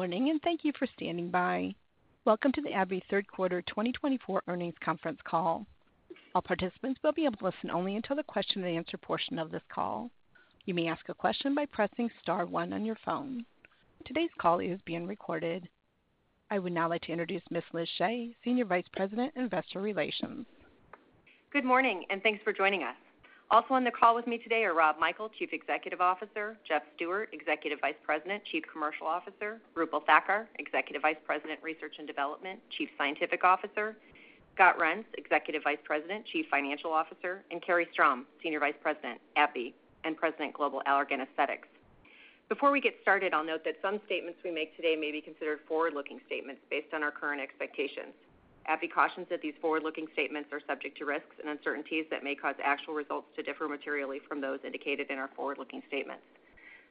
Good morning, and thank you for standing by. Welcome to the AbbVie Third Quarter 2024 earnings conference call. All participants will be able to listen only until the question-and-answer portion of this call. You may ask a question by pressing star one on your phone. Today's call is being recorded. I would now like to introduce Ms. Liz Shea, Senior Vice President, Investor Relations. Good morning, and thanks for joining us. Also on the call with me today are Rob Michael, Chief Executive Officer, Jeff Stewart, Executive Vice President, Chief Commercial Officer, Roopal Thakkar, Executive Vice President, Research and Development, Chief Scientific Officer, Scott Reents, Executive Vice President, Chief Financial Officer, and Carrie Strom, Senior Vice President, AbbVie and President, Global Allergan Aesthetics. Before we get started, I'll note that some statements we make today may be considered forward-looking statements based on our current expectations. AbbVie cautions that these forward-looking statements are subject to risks and uncertainties that may cause actual results to differ materially from those indicated in our forward-looking statements.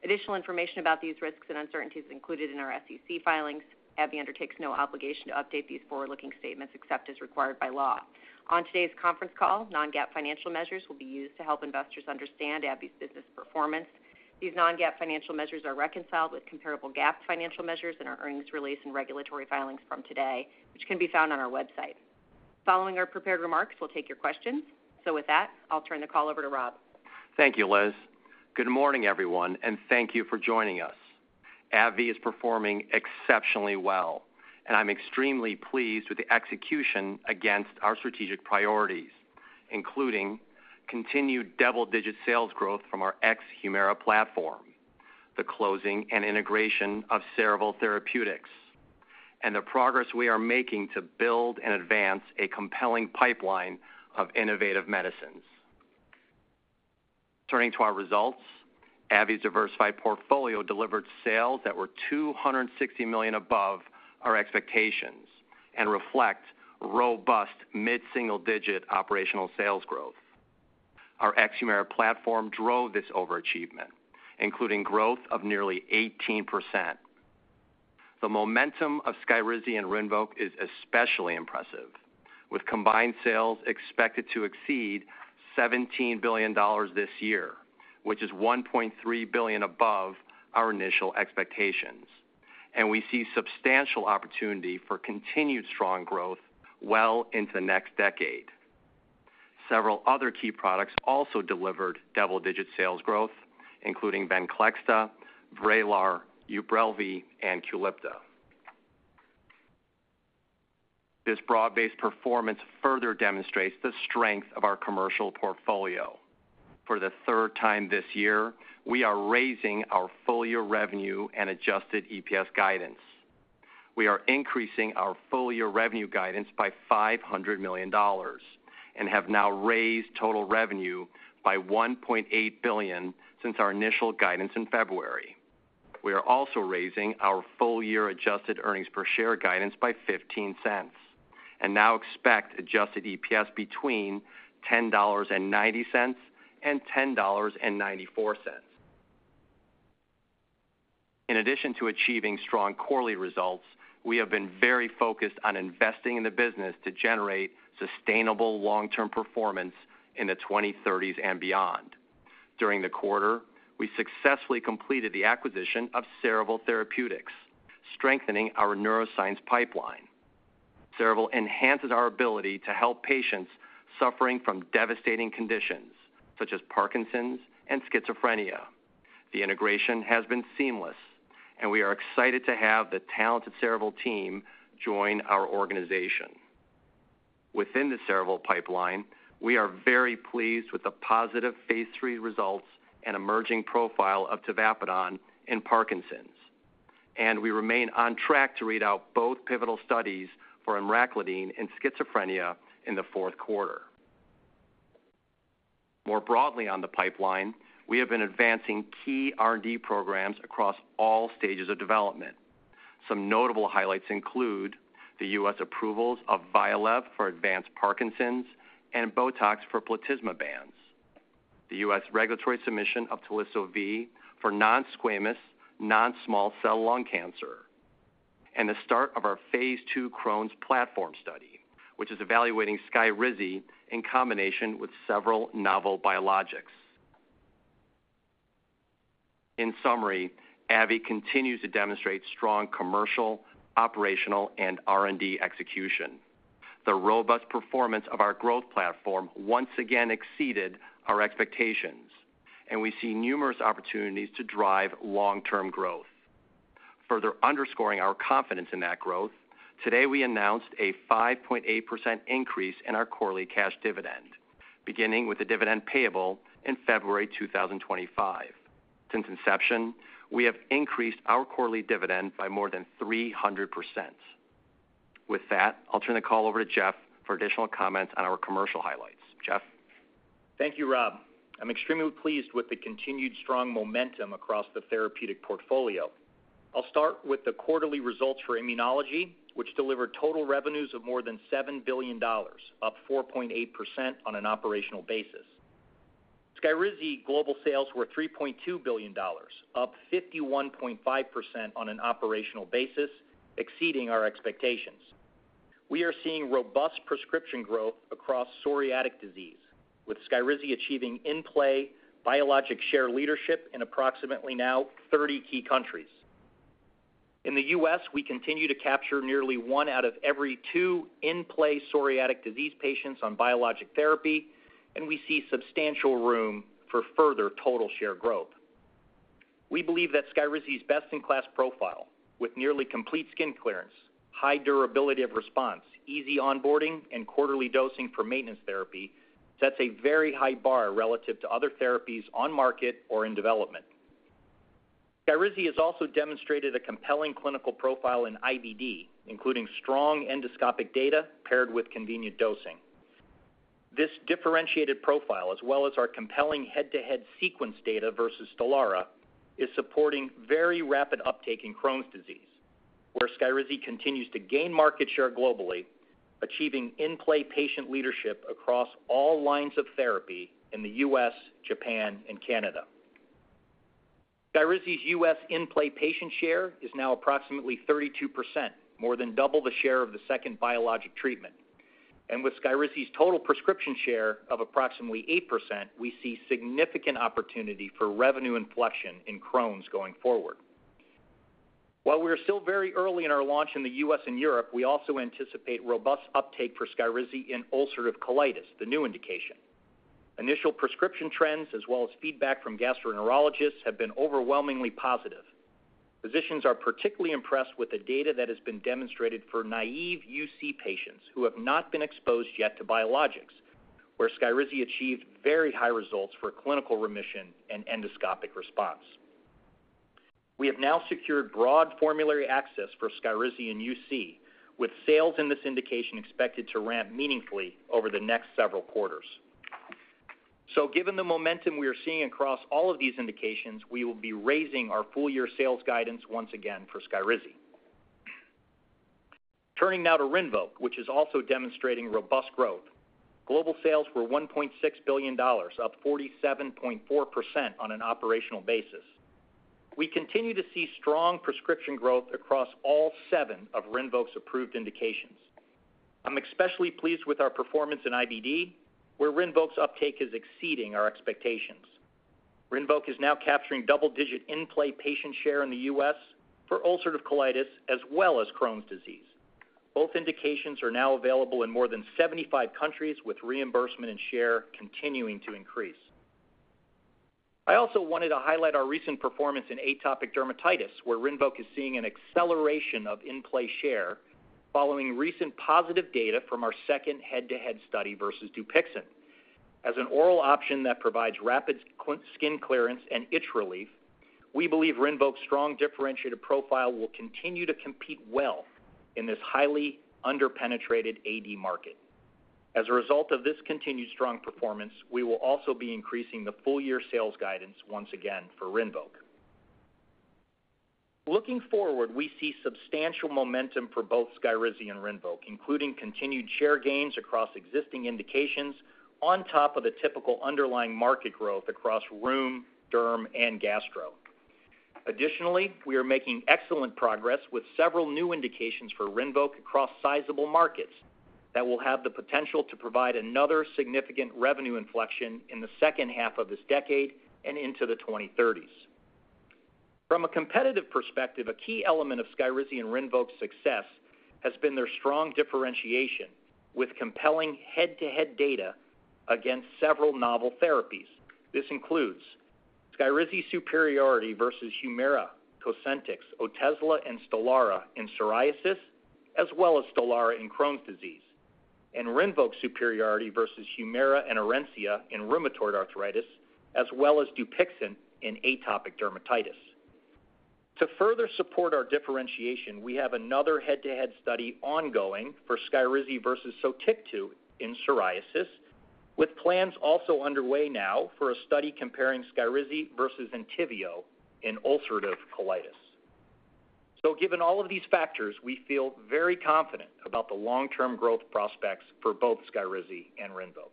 Additional information about these risks and uncertainties is included in our SEC filings. AbbVie undertakes no obligation to update these forward-looking statements except as required by law. On today's conference call, non-GAAP financial measures will be used to help investors understand AbbVie's business performance. These non-GAAP financial measures are reconciled with comparable GAAP financial measures in our earnings release and regulatory filings from today, which can be found on our website. Following our prepared remarks, we'll take your questions. So with that, I'll turn the call over to Rob. Thank you, Liz. Good morning, everyone, and thank you for joining us. AbbVie is performing exceptionally well, and I'm extremely pleased with the execution against our strategic priorities, including continued double-digit sales growth from our ex-Humira platform, the closing and integration of Cerevel Therapeutics, and the progress we are making to build and advance a compelling pipeline of innovative medicines. Turning to our results, AbbVie's diversified portfolio delivered sales that were $260 million above our expectations and reflect robust mid-single-digit operational sales growth. Our ex-Humira platform drove this overachievement, including growth of nearly 18%. The momentum of Skyrizi and Rinvoq is especially impressive, with combined sales expected to exceed $17 billion this year, which is $1.3 billion above our initial expectations, and we see substantial opportunity for continued strong growth well into the next decade. Several other key products also delivered double-digit sales growth, including Venclexta, Vraylar, Ubrelvy, and Qulipta. This broad-based performance further demonstrates the strength of our commercial portfolio. For the third time this year, we are raising our full-year revenue and adjusted EPS guidance. We are increasing our full-year revenue guidance by $500 million and have now raised total revenue by $1.8 billion since our initial guidance in February. We are also raising our full-year adjusted earnings per share guidance by $0.15 and now expect adjusted EPS between $10.90-$10.94. In addition to achieving strong quarterly results, we have been very focused on investing in the business to generate sustainable long-term performance in the 2030s and beyond. During the quarter, we successfully completed the acquisition of Cerevel Therapeutics, strengthening our neuroscience pipeline. Cerevel enhances our ability to help patients suffering from devastating conditions such as Parkinson's and schizophrenia. The integration has been seamless, and we are excited to have the talented Cerevel team join our organization. Within the Cerevel pipeline, we are very pleased with the positive phase three results and emerging profile of tavapadon in Parkinson's, and we remain on track to read out both pivotal studies for emraclidine in schizophrenia in the fourth quarter. More broadly on the pipeline, we have been advancing key R&D programs across all stages of development. Some notable highlights include the U.S. approvals of Vyalev for advanced Parkinson's and Botox for platysma bands, the U.S. regulatory submission of Teliso-V for non-squamous non-small cell lung cancer, and the start of our phase two Crohn's platform study, which is evaluating Skyrizi in combination with several novel biologics. In summary, AbbVie continues to demonstrate strong commercial, operational, and R&D execution. The robust performance of our growth platform once again exceeded our expectations, and we see numerous opportunities to drive long-term growth. Further underscoring our confidence in that growth, today we announced a 5.8% increase in our quarterly cash dividend, beginning with a dividend payable in February 2025. Since inception, we have increased our quarterly dividend by more than 300%. With that, I'll turn the call over to Jeff for additional comments on our commercial highlights. Jeff. Thank you, Rob. I'm extremely pleased with the continued strong momentum across the therapeutic portfolio. I'll start with the quarterly results for immunology, which delivered total revenues of more than $7 billion, up 4.8% on an operational basis. Skyrizi global sales were $3.2 billion, up 51.5% on an operational basis, exceeding our expectations. We are seeing robust prescription growth across psoriatic disease, with Skyrizi achieving in-play biologic share leadership in approximately now 30 key countries. In the U.S., we continue to capture nearly one out of every two in-play psoriatic disease patients on biologic therapy, and we see substantial room for further total share growth. We believe that Skyrizi's best-in-class profile, with nearly complete skin clearance, high durability of response, easy onboarding, and quarterly dosing for maintenance therapy, sets a very high bar relative to other therapies on market or in development. Skyrizi has also demonstrated a compelling clinical profile in IBD, including strong endoscopic data paired with convenient dosing. This differentiated profile, as well as our compelling head-to-head sequence data versus Stelara, is supporting very rapid uptake in Crohn's disease, where Skyrizi continues to gain market share globally, achieving in-play patient leadership across all lines of therapy in the U.S., Japan, and Canada. Skyrizi's U.S. in-play patient share is now approximately 32%, more than double the share of the second biologic treatment, and with Skyrizi's total prescription share of approximately 8%, we see significant opportunity for revenue inflection in Crohn's going forward. While we are still very early in our launch in the U.S. and Europe, we also anticipate robust uptake for Skyrizi in ulcerative colitis, the new indication. Initial prescription trends, as well as feedback from gastroenterologists, have been overwhelmingly positive. Physicians are particularly impressed with the data that has been demonstrated for naive UC patients who have not been exposed yet to biologics, where Skyrizi achieved very high results for clinical remission and endoscopic response. We have now secured broad formulary access for Skyrizi in UC, with sales in this indication expected to ramp meaningfully over the next several quarters, so given the momentum we are seeing across all of these indications, we will be raising our full-year sales guidance once again for Skyrizi. Turning now to Rinvoq, which is also demonstrating robust growth. Global sales were $1.6 billion, up 47.4% on an operational basis. We continue to see strong prescription growth across all seven of Rinvoq's approved indications. I'm especially pleased with our performance in IBD, where Rinvoq's uptake is exceeding our expectations. Rinvoq is now capturing double-digit in-play patient share in the U.S. for ulcerative colitis as well as Crohn's disease. Both indications are now available in more than 75 countries, with reimbursement and share continuing to increase. I also wanted to highlight our recent performance in atopic dermatitis, where Rinvoq is seeing an acceleration of in-play share following recent positive data from our second head-to-head study versus Dupixent. As an oral option that provides rapid skin clearance and itch relief, we believe Rinvoq's strong differentiated profile will continue to compete well in this highly underpenetrated AD market. As a result of this continued strong performance, we will also be increasing the full-year sales guidance once again for Rinvoq. Looking forward, we see substantial momentum for both Skyrizi and Rinvoq, including continued share gains across existing indications on top of the typical underlying market growth across rheum, derm, and gastro. Additionally, we are making excellent progress with several new indications for Rinvoq across sizable markets that will have the potential to provide another significant revenue inflection in the second half of this decade and into the 2030s. From a competitive perspective, a key element of Skyrizi and Rinvoq's success has been their strong differentiation with compelling head-to-head data against several novel therapies. This includes Skyrizi superiority versus Humira, Cosentyx, Otezla, and Stelara in psoriasis, as well as Stelara in Crohn's disease, and Rinvoq superiority versus Humira and Orencia in rheumatoid arthritis, as well as Dupixent in atopic dermatitis. To further support our differentiation, we have another head-to-head study ongoing for Skyrizi versus Sotyktu in psoriasis, with plans also underway now for a study comparing Skyrizi versus Entyvio in ulcerative colitis. So given all of these factors, we feel very confident about the long-term growth prospects for both Skyrizi and Rinvoq.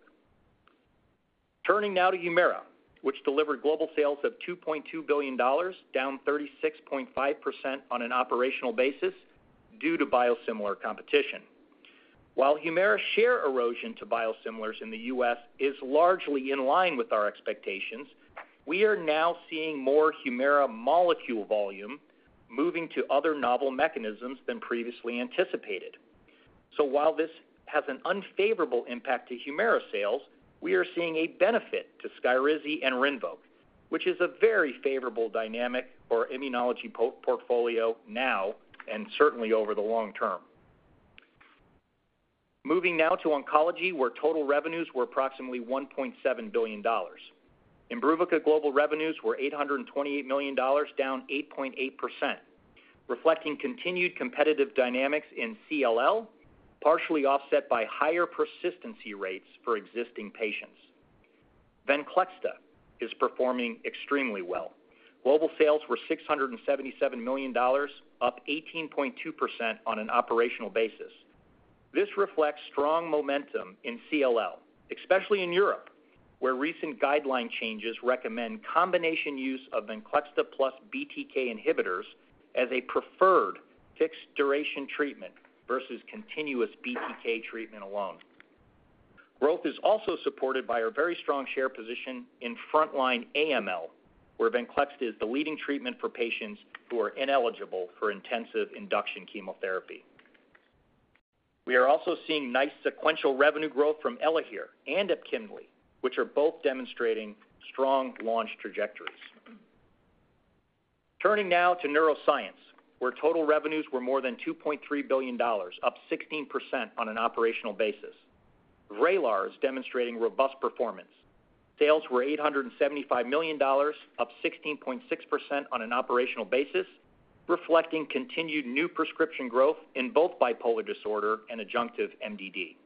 Turning now to Humira, which delivered global sales of $2.2 billion, down 36.5% on an operational basis due to biosimilar competition. While Humira share erosion to biosimilars in the U.S. is largely in line with our expectations, we are now seeing more Humira molecule volume moving to other novel mechanisms than previously anticipated. So while this has an unfavorable impact to Humira sales, we are seeing a benefit to Skyrizzi and Rinvoq, which is a very favorable dynamic for our immunology portfolio now and certainly over the long term. Moving now to oncology, where total revenues were approximately $1.7 billion. Imbruvica global revenues were $828 million, down 8.8%, reflecting continued competitive dynamics in CLL, partially offset by higher persistency rates for existing patients. Venclexta is performing extremely well. Global sales were $677 million, up 18.2% on an operational basis. This reflects strong momentum in CLL, especially in Europe, where recent guideline changes recommend combination use of Venclexta plus BTK inhibitors as a preferred fixed-duration treatment versus continuous BTK treatment alone. Growth is also supported by our very strong share position in frontline AML, where Venclexta is the leading treatment for patients who are ineligible for intensive induction chemotherapy. We are also seeing nice sequential revenue growth from Elahere and Epkinly, which are both demonstrating strong launch trajectories. Turning now to neuroscience, where total revenues were more than $2.3 billion, up 16% on an operational basis. Vraylar is demonstrating robust performance. Sales were $875 million, up 16.6% on an operational basis, reflecting continued new prescription growth in both bipolar disorder and adjunctive MDD.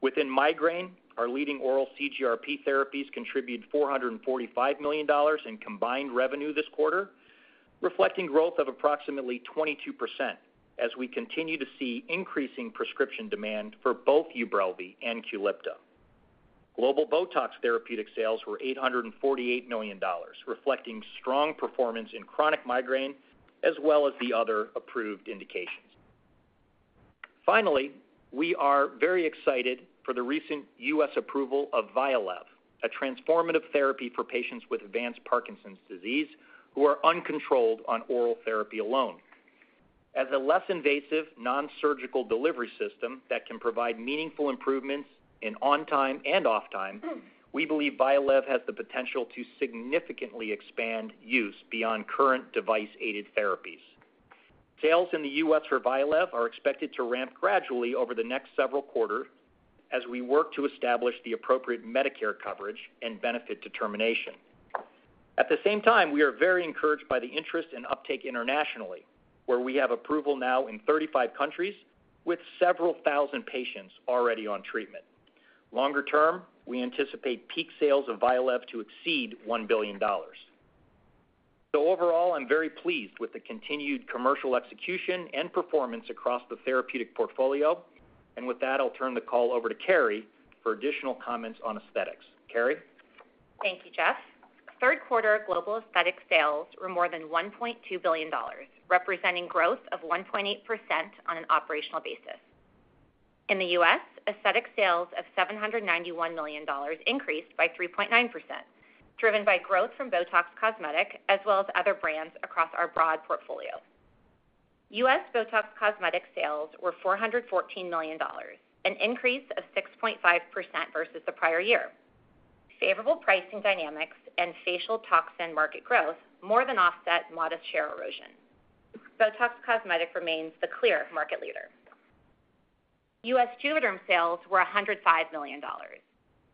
Within migraine, our leading oral CGRP therapies contributed $445 million in combined revenue this quarter, reflecting growth of approximately 22% as we continue to see increasing prescription demand for both Ubrelvy and Qulipta. Global Botox therapeutic sales were $848 million, reflecting strong performance in chronic migraine as well as the other approved indications. Finally, we are very excited for the recent U.S. approval of Vyalev, a transformative therapy for patients with advanced Parkinson's disease who are uncontrolled on oral therapy alone. As a less invasive non-surgical delivery system that can provide meaningful improvements in on-time and off-time, we believe Vyalev has the potential to significantly expand use beyond current device-aided therapies. Sales in the U.S. for Vyalev are expected to ramp gradually over the next several quarters as we work to establish the appropriate Medicare coverage and benefit determination. At the same time, we are very encouraged by the interest in uptake internationally, where we have approval now in 35 countries with several thousand patients already on treatment. Longer term, we anticipate peak sales of Vyalev to exceed $1 billion. So overall, I'm very pleased with the continued commercial execution and performance across the therapeutic portfolio. And with that, I'll turn the call over to Carrie for additional comments on aesthetics. Carrie. Thank you, Jeff. Third quarter global aesthetic sales were more than $1.2 billion, representing growth of 1.8% on an operational basis. In the U.S., aesthetic sales of $791 million increased by 3.9%, driven by growth from Botox Cosmetic as well as other brands across our broad portfolio. U.S. Botox Cosmetic sales were $414 million, an increase of 6.5% versus the prior year. Favorable pricing dynamics and facial toxin market growth more than offset modest share erosion. Botox Cosmetic remains the clear market leader. U.S. Juvederm sales were $105 million.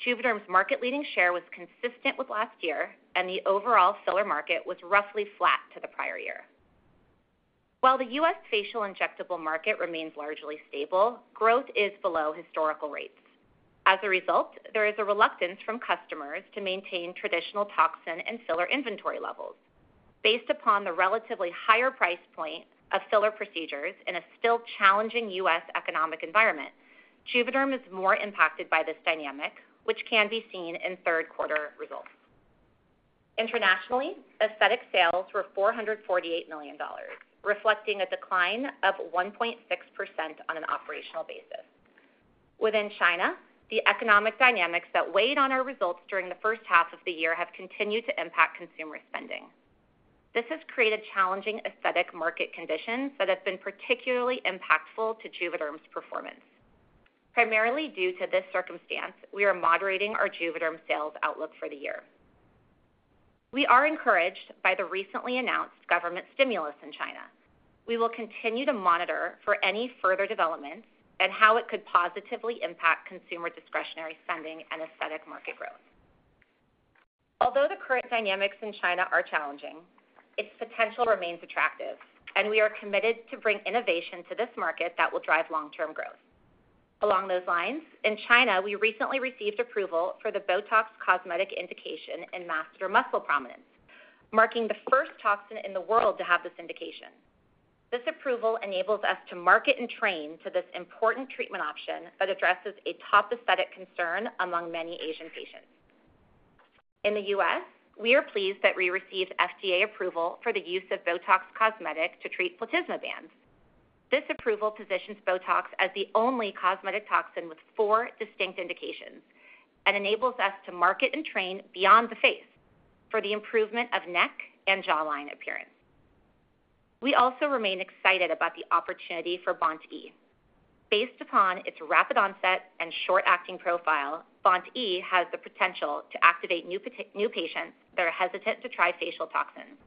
Juvederm's market-leading share was consistent with last year, and the overall filler market was roughly flat to the prior year. While the U.S. facial injectable market remains largely stable, growth is below historical rates. As a result, there is a reluctance from customers to maintain traditional toxin and filler inventory levels. Based upon the relatively higher price point of filler procedures in a still challenging U.S. economic environment, Juvederm is more impacted by this dynamic, which can be seen in third quarter results. Internationally, aesthetic sales were $448 million, reflecting a decline of 1.6% on an operational basis. Within China, the economic dynamics that weighed on our results during the first half of the year have continued to impact consumer spending. This has created challenging aesthetic market conditions that have been particularly impactful to Juvederm's performance. Primarily due to this circumstance, we are moderating our Juvederm sales outlook for the year. We are encouraged by the recently announced government stimulus in China. We will continue to monitor for any further developments and how it could positively impact consumer discretionary spending and aesthetic market growth. Although the current dynamics in China are challenging, its potential remains attractive, and we are committed to bringing innovation to this market that will drive long-term growth. Along those lines, in China, we recently received approval for the Botox Cosmetic indication in masseter muscle prominence, marking the first toxin in the world to have this indication. This approval enables us to market and train to this important treatment option that addresses a top aesthetic concern among many Asian patients. In the U.S., we are pleased that we received FDA approval for the use of Botox Cosmetic to treat platysma bands. This approval positions Botox as the only cosmetic toxin with four distinct indications and enables us to market and train beyond the face for the improvement of neck and jawline appearance. We also remain excited about the opportunity for BoNT/E. Based upon its rapid onset and short-acting profile, BoNT/E has the potential to activate new patients that are hesitant to try facial toxins,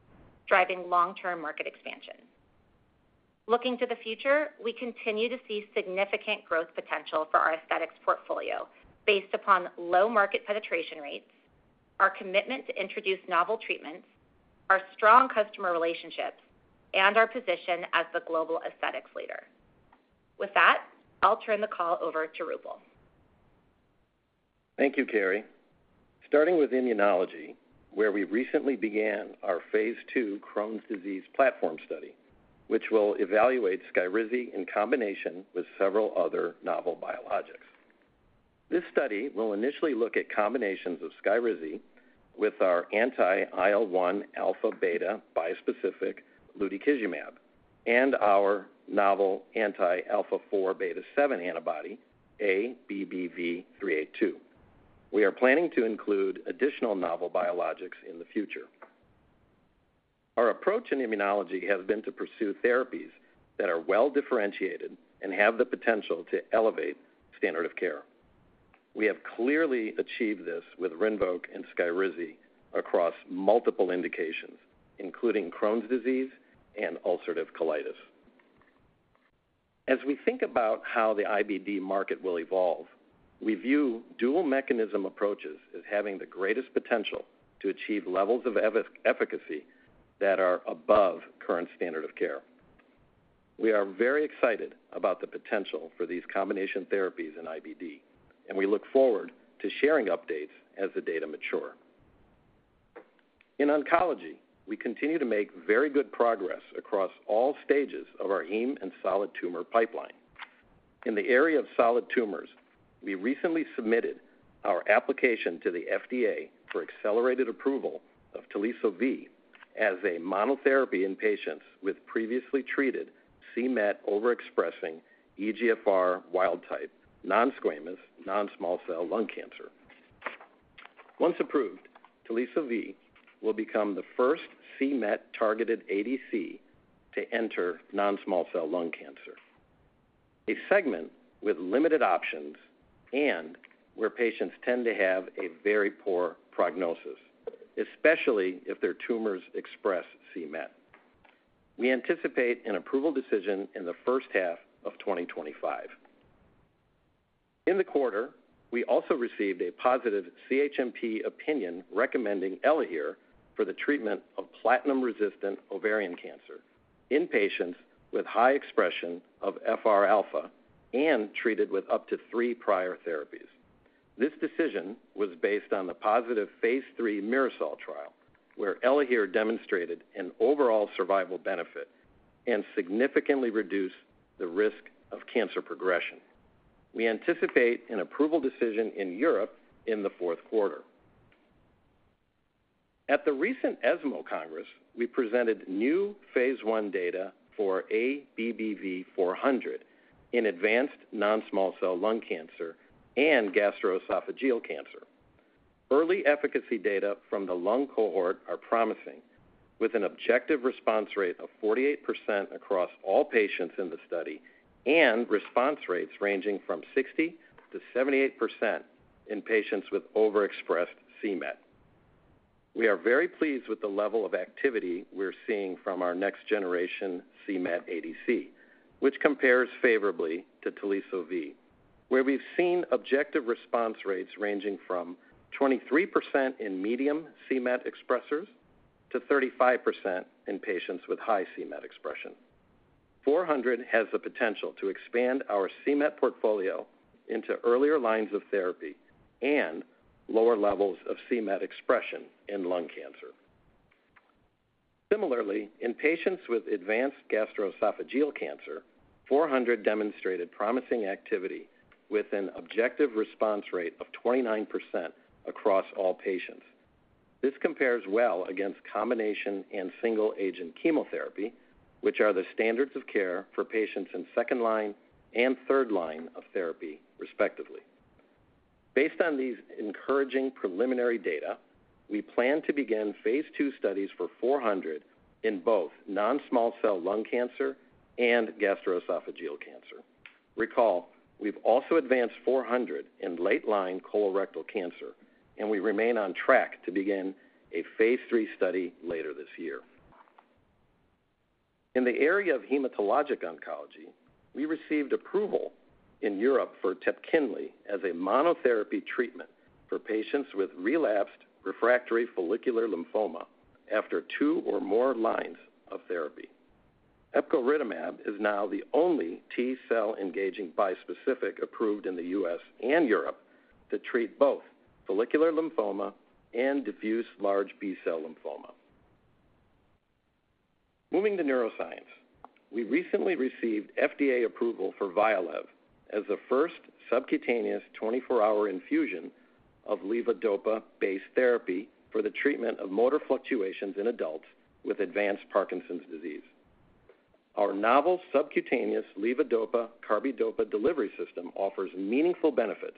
driving long-term market expansion. Looking to the future, we continue to see significant growth potential for our aesthetics portfolio based upon low market penetration rates, our commitment to introduce novel treatments, our strong customer relationships, and our position as the global aesthetics leader. With that, I'll turn the call over to Roopal. Thank you, Carrie. Starting with immunology, where we recently began our phase two Crohn's disease platform study, which will evaluate Skyrizi in combination with several other novel biologics. This study will initially look at combinations of Skyrizi with our anti-IL-1 alpha beta bispecific Lutikizumab and our novel anti-alpha 4 beta 7 antibody ABBV-382. We are planning to include additional novel biologics in the future. Our approach in immunology has been to pursue therapies that are well differentiated and have the potential to elevate standard of care. We have clearly achieved this with Rinvoq and Skyrizi across multiple indications, including Crohn's disease and ulcerative colitis. As we think about how the IBD market will evolve, we view dual mechanism approaches as having the greatest potential to achieve levels of efficacy that are above current standard of care. We are very excited about the potential for these combination therapies in IBD, and we look forward to sharing updates as the data mature. In oncology, we continue to make very good progress across all stages of our heme and solid tumor pipeline. In the area of solid tumors, we recently submitted our application to the FDA for accelerated approval of Teliso-V as a monotherapy in patients with previously treated c-Met overexpressing EGFR wild type non-squamous non-small cell lung cancer. Once approved, Teliso-V will become the first c-Met-targeted ADC to enter non-small cell lung cancer, a segment with limited options and where patients tend to have a very poor prognosis, especially if their tumors express c-Met. We anticipate an approval decision in the first half of 2025. In the quarter, we also received a positive CHMP opinion recommending Elahere for the treatment of platinum-resistant ovarian cancer in patients with high expression of FR alpha and treated with up to three prior therapies. This decision was based on the positive phase 3 Mirasol trial, where Elahere demonstrated an overall survival benefit and significantly reduced the risk of cancer progression. We anticipate an approval decision in Europe in the fourth quarter. At the recent ESMO Congress, we presented new phase 1 data for ABBV-400 in advanced non-small cell lung cancer and gastroesophageal cancer. Early efficacy data from the lung cohort are promising, with an objective response rate of 48% across all patients in the study and response rates ranging from 60%-78% in patients with overexpressed c-Met. We are very pleased with the level of activity we're seeing from our next generation c-Met ADC, which compares favorably to Teliso-V, where we've seen objective response rates ranging from 23% in medium c-Met expressors to 35% in patients with high c-Met expression. 400 has the potential to expand our c-Met portfolio into earlier lines of therapy and lower levels of c-Met expression in lung cancer. Similarly, in patients with advanced gastroesophageal cancer, 400 demonstrated promising activity with an objective response rate of 29% across all patients. This compares well against combination and single-agent chemotherapy, which are the standards of care for patients in second line and third line of therapy, respectively. Based on these encouraging preliminary data, we plan to begin phase two studies for 400 in both non-small cell lung cancer and gastroesophageal cancer. Recall, we've also advanced 400 in late line colorectal cancer, and we remain on track to begin a phase 3 study later this year. In the area of hematologic oncology, we received approval in Europe for Tepkinly as a monotherapy treatment for patients with relapsed refractory follicular lymphoma after two or more lines of therapy. Epcoritamab is now the only T-cell engaging bispecific approved in the U.S. and Europe to treat both follicular lymphoma and diffuse large B-cell lymphoma. Moving to neuroscience, we recently received FDA approval for Vyalev as the first subcutaneous 24-hour infusion of levodopa-based therapy for the treatment of motor fluctuations in adults with advanced Parkinson's disease. Our novel subcutaneous levodopa-carbidopa delivery system offers meaningful benefits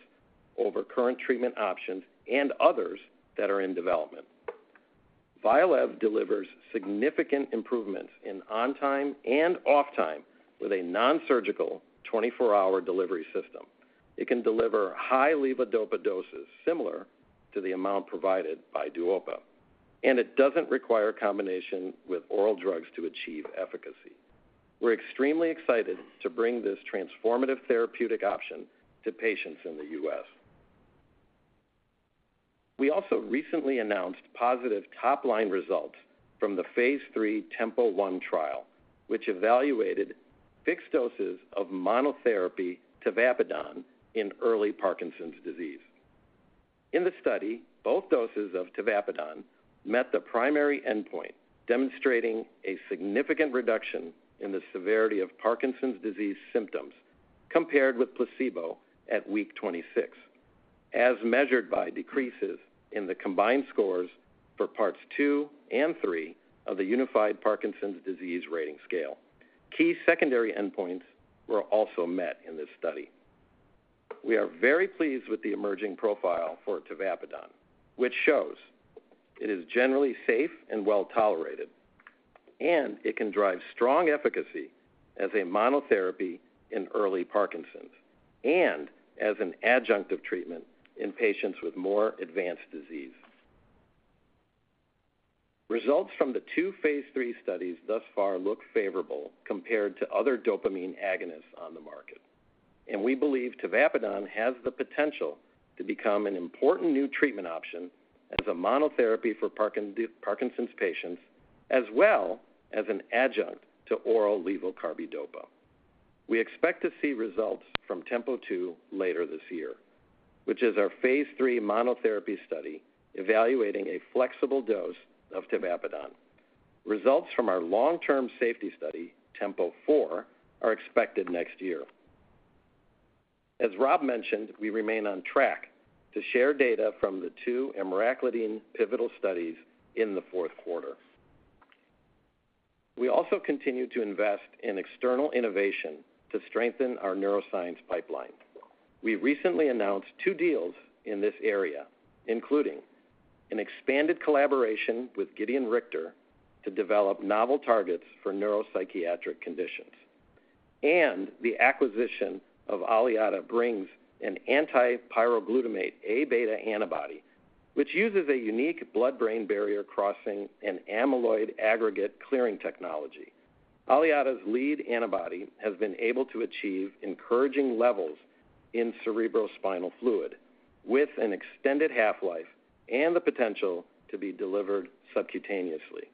over current treatment options and others that are in development. Vyalev delivers significant improvements in on-time and off-time with a non-surgical 24-hour delivery system. It can deliver high levodopa doses similar to the amount provided by Duopa, and it doesn't require combination with oral drugs to achieve efficacy. We're extremely excited to bring this transformative therapeutic option to patients in the U.S. We also recently announced positive top-line results from the phase three TEMPO-1 trial, which evaluated fixed doses of monotherapy tavapadon in early Parkinson's disease. In the study, both doses of tavapadon met the primary endpoint, demonstrating a significant reduction in the severity of Parkinson's disease symptoms compared with placebo at week 26, as measured by decreases in the combined scores for parts two and three of the Unified Parkinson's Disease Rating Scale. Key secondary endpoints were also met in this study. We are very pleased with the emerging profile for tavapadon, which shows it is generally safe and well tolerated, and it can drive strong efficacy as a monotherapy in early Parkinson's and as an adjunctive treatment in patients with more advanced disease. Results from the two phase 3 studies thus far look favorable compared to other dopamine agonists on the market, and we believe tavapadon has the potential to become an important new treatment option as a monotherapy for Parkinson's patients, as well as an adjunct to oral levodopa/carbidopa. We expect to see results from TEMPO-2 later this year, which is our phase 3 monotherapy study evaluating a flexible dose of tavapadon. Results from our long-term safety study, TEMPO-4, are expected next year. As Rob mentioned, we remain on track to share data from the two Emraclidine pivotal studies in the fourth quarter. We also continue to invest in external innovation to strengthen our neuroscience pipeline. We recently announced two deals in this area, including an expanded collaboration with Gedeon Richter to develop novel targets for neuropsychiatric conditions and the acquisition of Aliada Therapeutics, an anti-pyroglutamate A beta antibody, which uses a unique blood-brain barrier crossing and amyloid aggregate clearing technology. Aliada's lead antibody has been able to achieve encouraging levels in cerebrospinal fluid with an extended half-life and the potential to be delivered subcutaneously.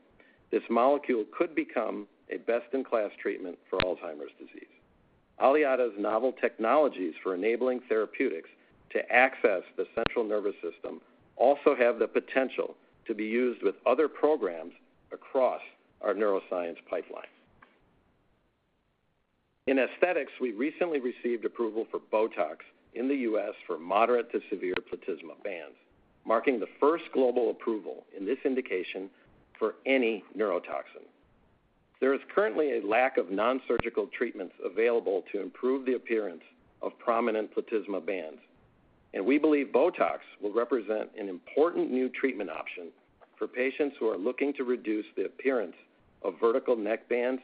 This molecule could become a best-in-class treatment for Alzheimer's disease. Aliada's novel technologies for enabling therapeutics to access the central nervous system also have the potential to be used with other programs across our neuroscience pipeline. In aesthetics, we recently received approval for Botox in the U.S. for moderate to severe platysma bands, marking the first global approval in this indication for any neurotoxin. There is currently a lack of non-surgical treatments available to improve the appearance of prominent platysma bands, and we believe Botox will represent an important new treatment option for patients who are looking to reduce the appearance of vertical neck bands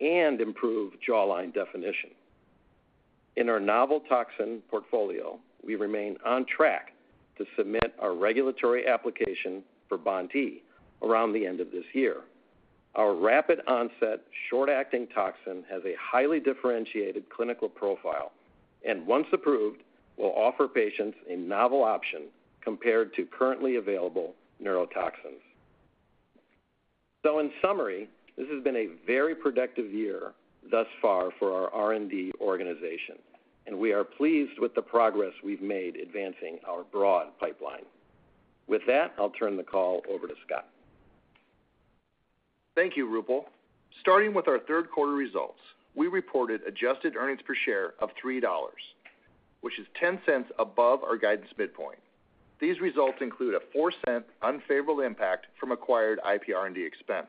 and improve jawline definition. In our novel toxin portfolio, we remain on track to submit our regulatory application for BoNT/E around the end of this year. Our rapid onset short-acting toxin has a highly differentiated clinical profile and, once approved, will offer patients a novel option compared to currently available neurotoxins. So, in summary, this has been a very productive year thus far for our R&D organization, and we are pleased with the progress we've made advancing our broad pipeline. With that, I'll turn the call over to Scott. Thank you, Roopal. Starting with our third quarter results, we reported adjusted earnings per share of $3, which is $0.10 above our guidance midpoint. These results include a $0.04 unfavorable impact from acquired IPR&D expense.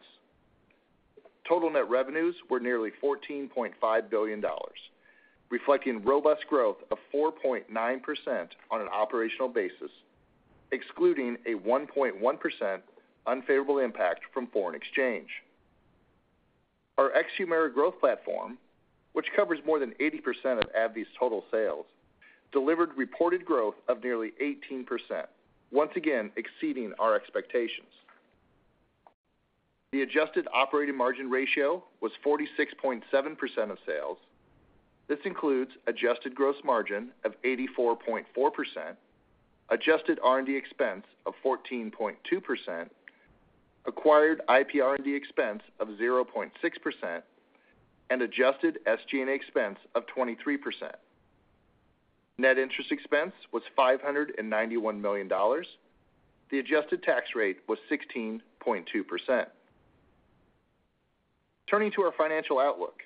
Total net revenues were nearly $14.5 billion, reflecting robust growth of 4.9% on an operational basis, excluding a 1.1% unfavorable impact from foreign exchange. Our ex-Humira Growth Platform, which covers more than 80% of AbbVie's total sales, delivered reported growth of nearly 18%, once again exceeding our expectations. The adjusted operating margin ratio was 46.7% of sales. This includes adjusted gross margin of 84.4%, adjusted R&D expense of 14.2%, acquired IPR&D expense of 0.6%, and adjusted SG&A expense of 23%. Net interest expense was $591 million. The adjusted tax rate was 16.2%. Turning to our financial outlook,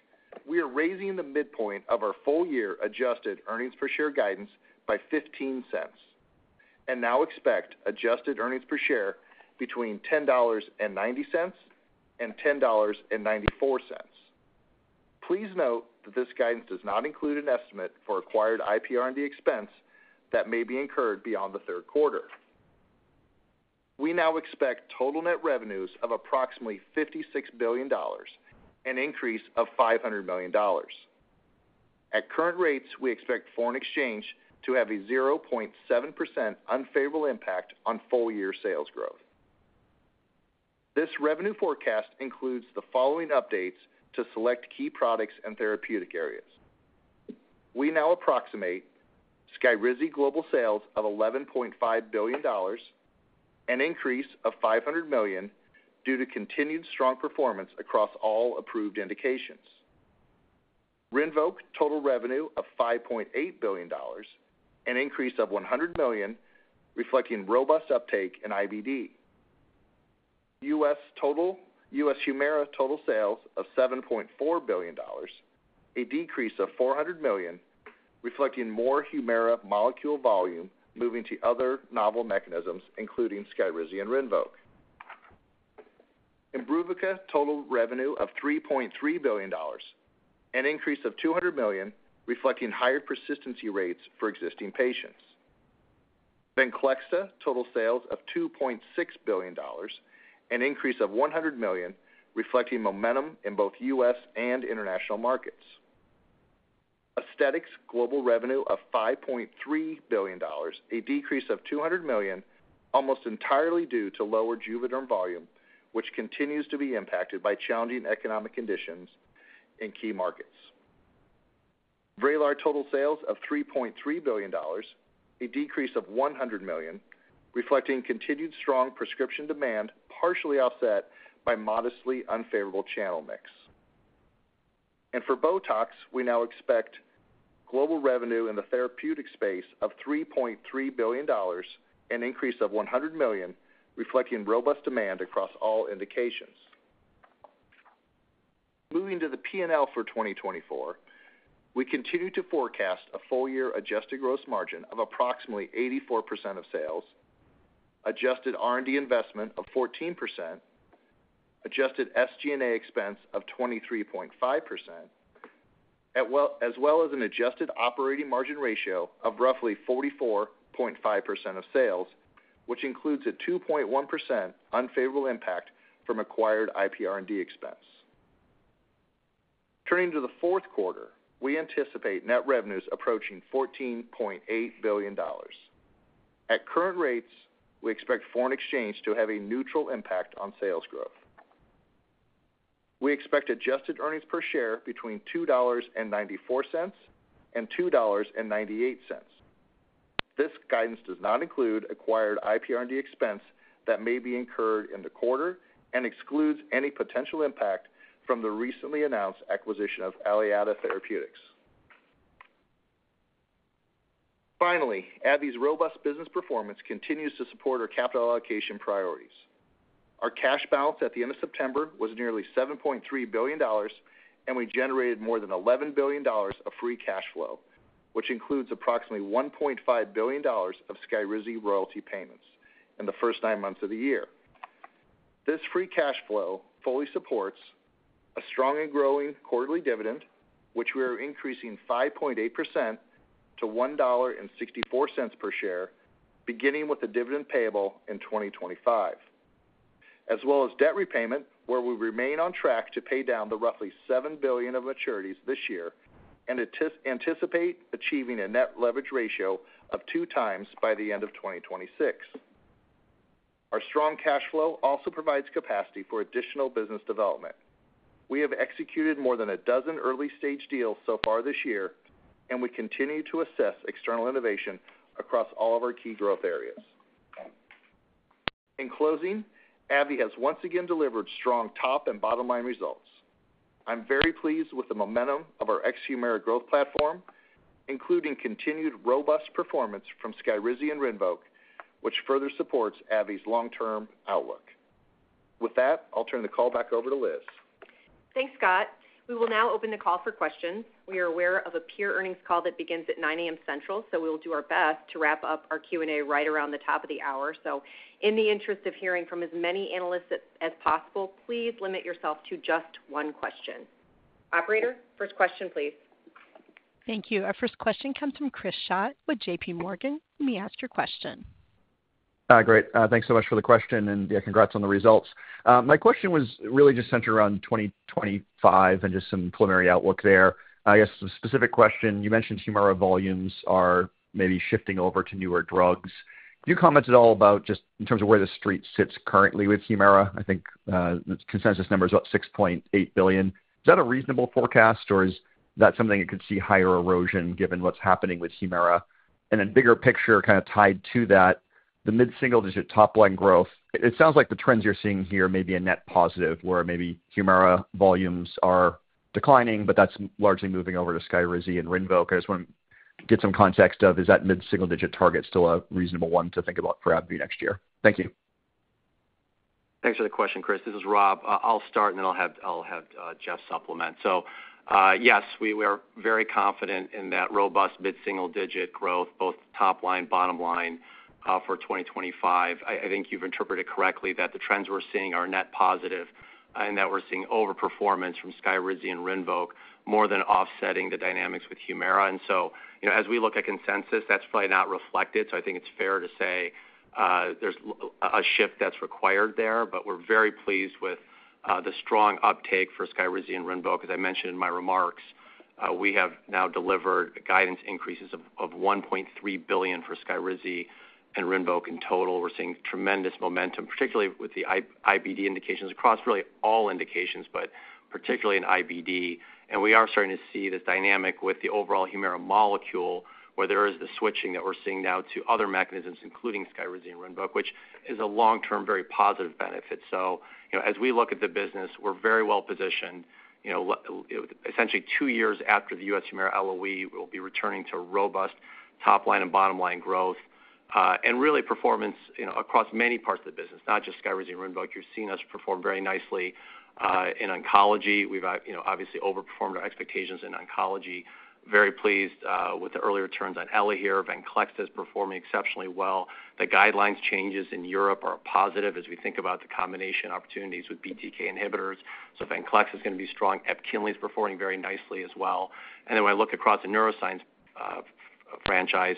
we are raising the midpoint of our full-year adjusted earnings per share guidance by $0.15 and now expect adjusted earnings per share between $10.90 and $10.94. Please note that this guidance does not include an estimate for acquired IPR&D expense that may be incurred beyond the third quarter. We now expect total net revenues of approximately $56 billion, an increase of $500 million. At current rates, we expect foreign exchange to have a 0.7% unfavorable impact on full-year sales growth. This revenue forecast includes the following updates to select key products and therapeutic areas. We now approximate Skyrizi global sales of $11.5 billion, an increase of $500 million due to continued strong performance across all approved indications. Rinvoq total revenue of $5.8 billion, an increase of $100 million, reflecting robust uptake in IBD. U.S. Humira total sales of $7.4 billion, a decrease of $400 million, reflecting more Humira molecule volume moving to other novel mechanisms, including Skyrizi and Rinvoq. Imbruvica total revenue of $3.3 billion, an increase of $200 million, reflecting higher persistency rates for existing patients. Venclexta total sales of $2.6 billion, an increase of $100 million, reflecting momentum in both U.S. and international markets. Aesthetics global revenue of $5.3 billion, a decrease of $200 million, almost entirely due to lower Juvederm volume, which continues to be impacted by challenging economic conditions in key markets. Vraylar total sales of $3.3 billion, a decrease of $100 million, reflecting continued strong prescription demand partially offset by modestly unfavorable channel mix. For Botox, we now expect global revenue in the therapeutic space of $3.3 billion, an increase of $100 million, reflecting robust demand across all indications. Moving to the P&L for 2024, we continue to forecast a full-year adjusted gross margin of approximately 84% of sales, adjusted R&D investment of 14%, adjusted SG&A expense of 23.5%, as well as an adjusted operating margin ratio of roughly 44.5% of sales, which includes a 2.1% unfavorable impact from acquired IPR&D expense. Turning to the fourth quarter, we anticipate net revenues approaching $14.8 billion. At current rates, we expect foreign exchange to have a neutral impact on sales growth. We expect adjusted earnings per share between $2.94 and $2.98. This guidance does not include acquired IPR&D expense that may be incurred in the quarter and excludes any potential impact from the recently announced acquisition of Aliada Therapeutics. Finally, AbbVie's robust business performance continues to support our capital allocation priorities. Our cash balance at the end of September was nearly $7.3 billion, and we generated more than $11 billion of free cash flow, which includes approximately $1.5 billion of Skyrizi royalty payments in the first nine months of the year. This free cash flow fully supports a strong and growing quarterly dividend, which we are increasing 5.8% to $1.64 per share, beginning with a dividend payable in 2025, as well as debt repayment, where we remain on track to pay down the roughly $7 billion of maturities this year and anticipate achieving a net leverage ratio of two times by the end of 2026. Our strong cash flow also provides capacity for additional business development. We have executed more than a dozen early-stage deals so far this year, and we continue to assess external innovation across all of our key growth areas. In closing, AbbVie has once again delivered strong top and bottom-line results. I'm very pleased with the momentum of our immunology growth platform, including continued robust performance from Skyrizi and Rinvoq, which further supports AbbVie's long-term outlook. With that, I'll turn the call back over to Liz. Thanks, Scott. We will now open the call for questions. We are aware of a peer earnings call that begins at 9:00 A.M. Central, so we will do our best to wrap up our Q&A right around the top of the hour. In the interest of hearing from as many analysts as possible, please limit yourself to just one question. Operator, first question, please. Thank you. Our first question comes from Chris Schott with JPMorgan. Let me ask your question. Great. Thanks so much for the question, and yeah, congrats on the results. My question was really just centered around 2025 and just some preliminary outlook there. I guess the specific question, you mentioned Humira volumes are maybe shifting over to newer drugs. Could you comment at all about just in terms of where the street sits currently with Humira? I think the consensus number is about $6.8 billion. Is that a reasonable forecast, or is that something that could see higher erosion given what's happening with Humira? And then bigger picture, kind of tied to that, the mid-single-digit top-line growth, it sounds like the trends you're seeing here may be a net positive, where maybe Humira volumes are declining, but that's largely moving over to Skyrizi and Rinvoq. I just want to get some context of, is that mid-single-digit target still a reasonable one to think about for AbbVie next year? Thank you. Thanks for the question, Chris. This is Rob. I'll start, and then I'll have Jeff supplement. So, yes, we are very confident in that robust mid-single-digit growth, both top line, bottom line for 2025. I think you've interpreted it correctly that the trends we're seeing are net positive and that we're seeing overperformance from Skyrizi and Rinvoq more than offsetting the dynamics with Humira. And so, as we look at consensus, that's probably not reflected. So I think it's fair to say there's a shift that's required there, but we're very pleased with the strong uptake for Skyrizi and Rinvoq. As I mentioned in my remarks, we have now delivered guidance increases of $1.3 billion for Skyrizi and Rinvoq in total. We're seeing tremendous momentum, particularly with the IBD indications across really all indications, but particularly in IBD. And we are starting to see this dynamic with the overall Humira molecule, where there is the switching that we're seeing now to other mechanisms, including Skyrizi and Rinvoq, which is a long-term, very positive benefit. So, as we look at the business, we're very well positioned. Essentially, two years after the U.S. Humira LOE, we'll be returning to robust top-line and bottom-line growth and really performance across many parts of the business, not just Skyrizi and Rinvoq. You've seen us perform very nicely in oncology. We've obviously overperformed our expectations in oncology. Very pleased with the early returns on Elahere. Venclexta is performing exceptionally well. The guidelines changes in Europe are positive as we think about the combination opportunities with BTK inhibitors. So Venclexta is going to be strong. Epkinly is performing very nicely as well. And then when I look across the neuroscience franchise,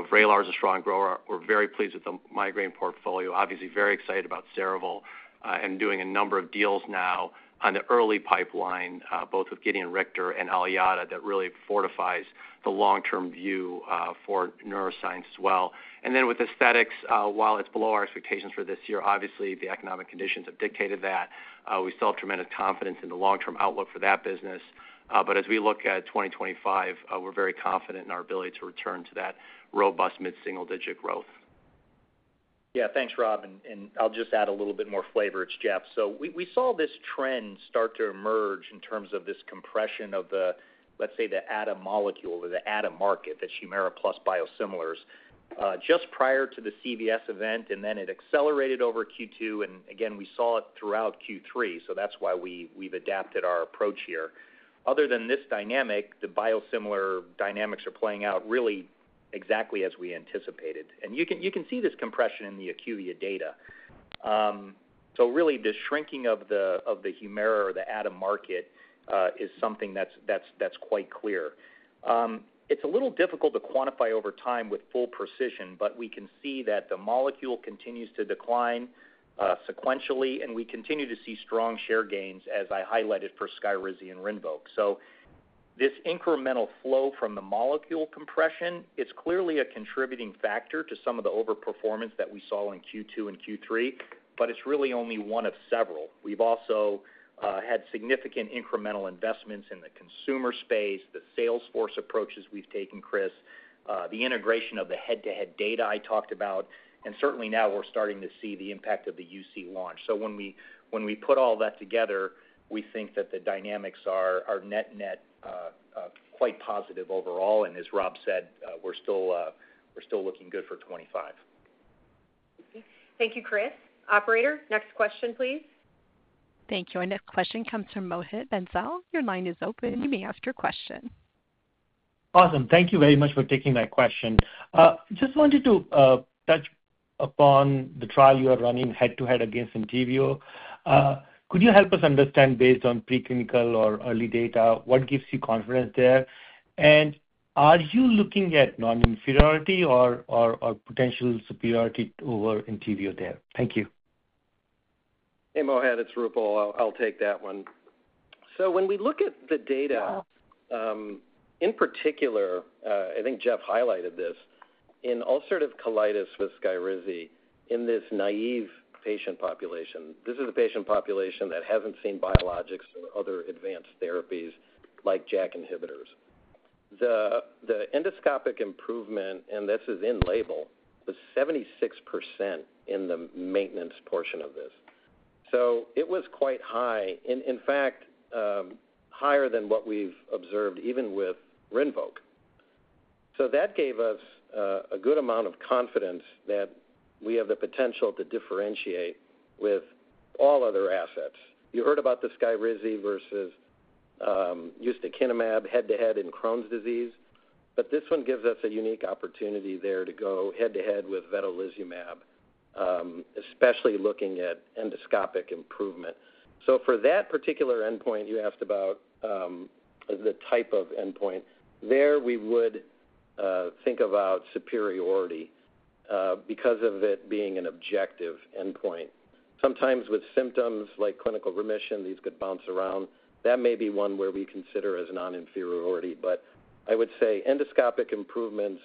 Vraylar is a strong grower. We're very pleased with the migraine portfolio. Obviously, very excited about Cerevel and doing a number of deals now on the early pipeline, both with Gedeon Richter and Aliada, that really fortifies the long-term view for neuroscience as well. And then with aesthetics, while it's below our expectations for this year, obviously the economic conditions have dictated that. We still have tremendous confidence in the long-term outlook for that business. But as we look at 2025, we're very confident in our ability to return to that robust mid-single-digit growth. Yeah, thanks, Rob. And I'll just add a little bit more flavor. It's Jeff. So we saw this trend start to emerge in terms of this compression of the, let's say, the ADA molecule or the ADA market, that's Humira plus biosimilars. Just prior to the CVS event, and then it accelerated over Q2, and again, we saw it throughout Q3, so that's why we've adapted our approach here. Other than this dynamic, the biosimilar dynamics are playing out really exactly as we anticipated, and you can see this compression in the IQVIA data. So really, the shrinking of the Humira or the U.S. market is something that's quite clear. It's a little difficult to quantify over time with full precision, but we can see that the molecule continues to decline sequentially, and we continue to see strong share gains, as I highlighted for Skyrizi and Rinvoq. So this incremental flow from the molecule compression, it's clearly a contributing factor to some of the overperformance that we saw in Q2 and Q3, but it's really only one of several. We've also had significant incremental investments in the consumer space, the Salesforce approaches we've taken, Chris, the integration of the head-to-head data I talked about, and certainly now we're starting to see the impact of the UC launch. So when we put all that together, we think that the dynamics are net-net quite positive overall. And as Rob said, we're still looking good for 2025. Thank you, Chris. Operator, next question, please. Thank you. Our next question comes from Mohit Bansal. Your line is open. You may ask your question. Awesome. Thank you very much for taking my question. Just wanted to touch upon the trial you are running head-to-head against Entyvio. Could you help us understand, based on preclinical or early data, what gives you confidence there? And are you looking at non-inferiority or potential superiority over Entyvio there? Thank you. Hey, Mohit, it's Roopal. I'll take that one. So when we look at the data, in particular, I think Jeff highlighted this, in ulcerative colitis with Skyrizi in this naive patient population, this is a patient population that hasn't seen biologics or other advanced therapies like JAK inhibitors. The endoscopic improvement, and this is in label, was 76% in the maintenance portion of this. So it was quite high, in fact, higher than what we've observed even with Rinvoq. So that gave us a good amount of confidence that we have the potential to differentiate with all other assets. You heard about the Skyrizi versus ustekinumab head-to-head in Crohn's disease, but this one gives us a unique opportunity there to go head-to-head with Vedolizumab, especially looking at endoscopic improvement. So for that particular endpoint you asked about, the type of endpoint, there we would think about superiority because of it being an objective endpoint. Sometimes with symptoms like clinical remission, these could bounce around. That may be one where we consider as non-inferiority, but I would say endoscopic improvements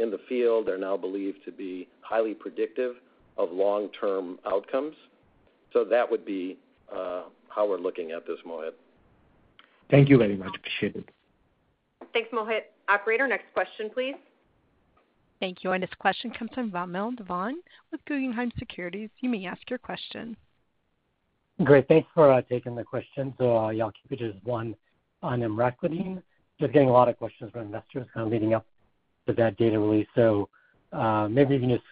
in the field are now believed to be highly predictive of long-term outcomes. So that would be how we're looking at this, Mohit. Thank you very much. Appreciate it. Thanks, Mohit. Operator, next question, please. Thank you. Our next question comes from Vamil Divan with Guggenheim Securities. You may ask your question. Great. Thanks for taking the question. So yeah, I'll keep it as one on Emraclidine. Just getting a lot of questions from investors kind of leading up to that data release. So maybe even just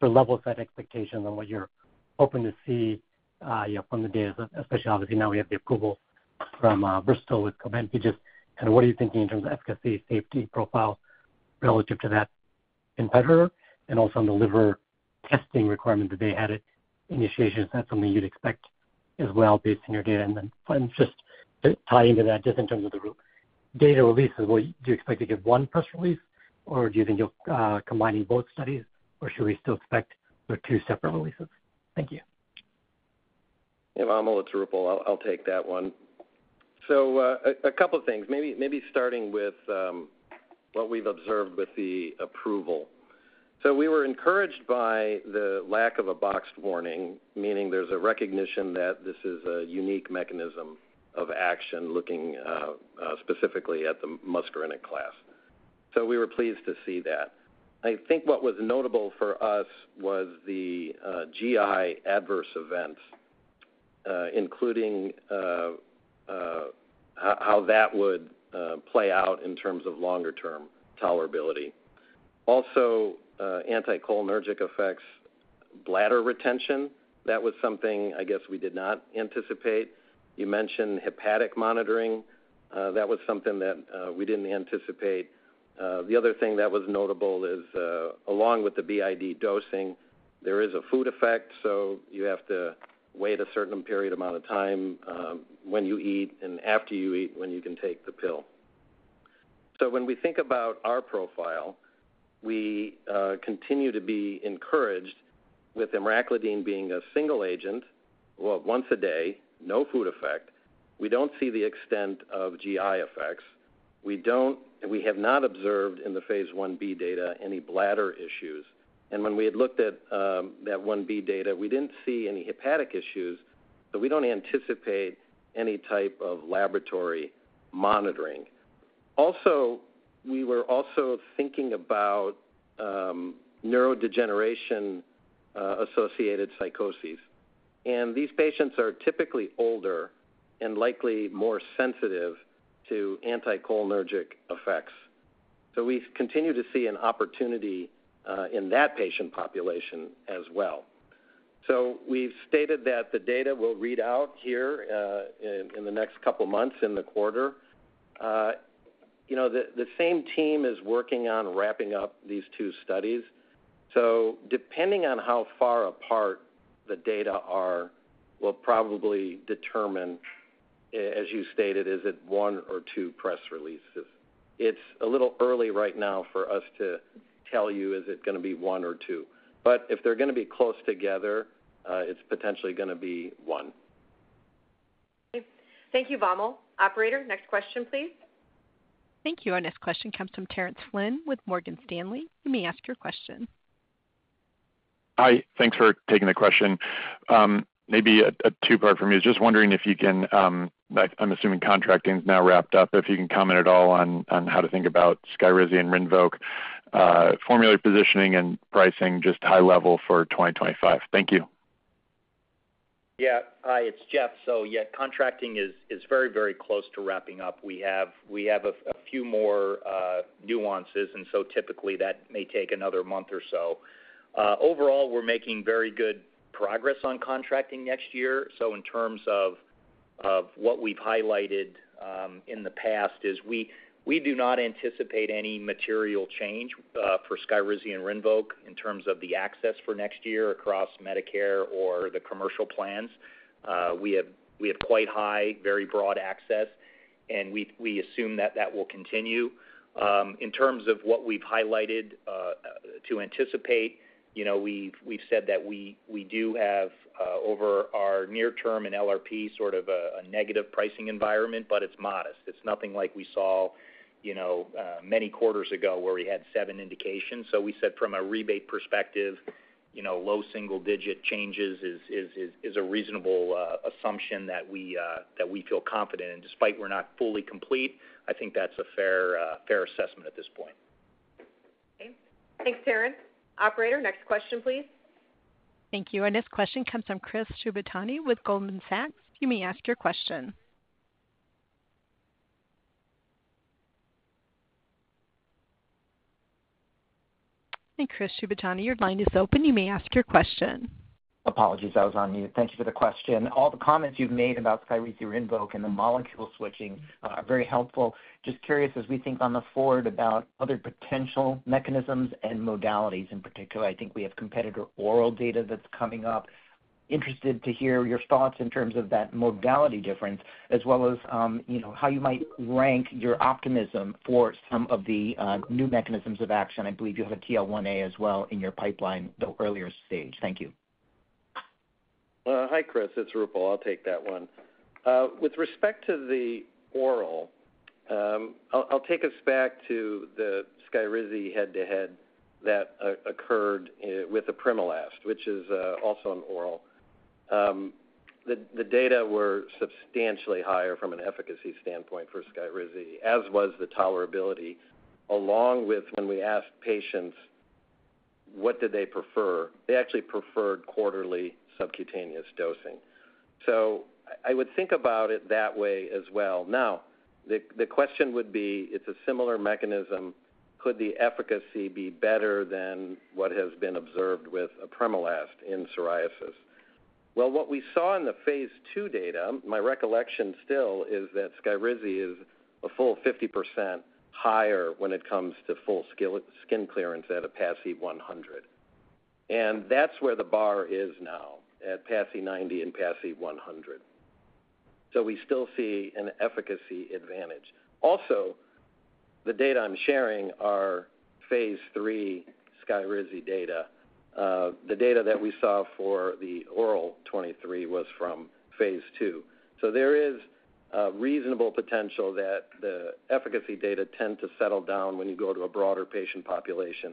for level-set expectations on what you're hoping to see from the data, especially obviously now we have the approvals from Bristol with Cobenfy. Kind of what are you thinking in terms of efficacy, safety profile relative to that competitor? And also on the liver testing requirement that they had at initiation, is that something you'd expect as well based on your data? And then just to tie into that, just in terms of the data releases, will you expect to get one press release, or do you think you'll be combining both studies, or should we still expect the two separate releases? Thank you. Yeah, Vamil, it's Roopal. I'll take that one. So a couple of things, maybe starting with what we've observed with the approval. So we were encouraged by the lack of a boxed warning, meaning there's a recognition that this is a unique mechanism of action looking specifically at the muscarinic class. So we were pleased to see that. I think what was notable for us was the GI adverse events, including how that would play out in terms of longer-term tolerability. Also, anticholinergic effects, bladder retention, that was something I guess we did not anticipate. You mentioned hepatic monitoring. That was something that we didn't anticipate. The other thing that was notable is, along with the BID dosing, there is a food effect, so you have to wait a certain period amount of time when you eat and after you eat when you can take the pill. So when we think about our profile, we continue to be encouraged with Emraclidine being a single agent, well, once a day, no food effect. We don't see the extent of GI effects. We have not observed in the phase 1b data any bladder issues. And when we had looked at that 1b data, we didn't see any hepatic issues, but we don't anticipate any type of laboratory monitoring. Also, we were also thinking about neurodegeneration-associated psychoses. And these patients are typically older and likely more sensitive to anticholinergic effects. So we continue to see an opportunity in that patient population as well. So we've stated that the data will read out here in the next couple of months, in the quarter. The same team is working on wrapping up these two studies. So depending on how far apart the data are, we'll probably determine, as you stated, is it one or two press releases. It's a little early right now for us to tell you is it going to be one or two. But if they're going to be close together, it's potentially going to be one. Thank you, Vamil. Operator, next question, please. Thank you. Our next question comes from Terence Flynn with Morgan Stanley. You may ask your question. Hi. Thanks for taking the question. Maybe a two-part from you. Just wondering if you can, I'm assuming contracting's now wrapped up, if you can comment at all on how to think about Skyrizi and Rinvoq, formulary positioning and pricing, just high level for 2025. Thank you. Yeah. Hi, it's Jeff. So yeah, contracting is very, very close to wrapping up. We have a few more nuances, and so typically that may take another month or so. Overall, we're making very good progress on contracting next year. So in terms of what we've highlighted in the past, we do not anticipate any material change for Skyrizi and Rinvoq in terms of the access for next year across Medicare or the commercial plans. We have quite high, very broad access, and we assume that that will continue. In terms of what we've highlighted to anticipate, we've said that we do have over our near-term and LRP sort of a negative pricing environment, but it's modest. It's nothing like we saw many quarters ago where we had seven indications. So we said from a rebate perspective, low single-digit changes is a reasonable assumption that we feel confident in. Despite we're not fully complete, I think that's a fair assessment at this point. Thanks, Terence. Operator, next question, please. Thank you. Our next question comes from Chris Shibutani with Goldman Sachs. You may ask your question. And Chris Shibutani, your line is open. You may ask your question. Apologies. I was on mute. Thank you for the question. All the comments you've made about SKYRIZI or RINVOQ and the molecule switching are very helpful. Just curious, as we think on the forward about other potential mechanisms and modalities in particular, I think we have competitor oral data that's coming up. Interested to hear your thoughts in terms of that modality difference, as well as how you might rank your optimism for some of the new mechanisms of action. I believe you have a TL1A as well in your pipeline, the earlier stage. Thank you. Hi, Chris. It's Roopal. I'll take that one. With respect to the oral, I'll take us back to the Skyrizi head-to-head that occurred with apremilast, which is also an oral. The data were substantially higher from an efficacy standpoint for Skyrizi, as was the tolerability, along with when we asked patients what did they prefer. They actually preferred quarterly subcutaneous dosing. So I would think about it that way as well. Now, the question would be, it's a similar mechanism. Could the efficacy be better than what has been observed with apremilast in psoriasis? Well, what we saw in the phase two data, my recollection still is that Skyrizi is a full 50% higher when it comes to full skin clearance at a PASI 100. And that's where the bar is now, at PASI 90 and PASI 100. So we still see an efficacy advantage. Also, the data I'm sharing are phase three Skyrizi data. The data that we saw for the oral IL-23 was from phase two. So there is reasonable potential that the efficacy data tend to settle down when you go to a broader patient population,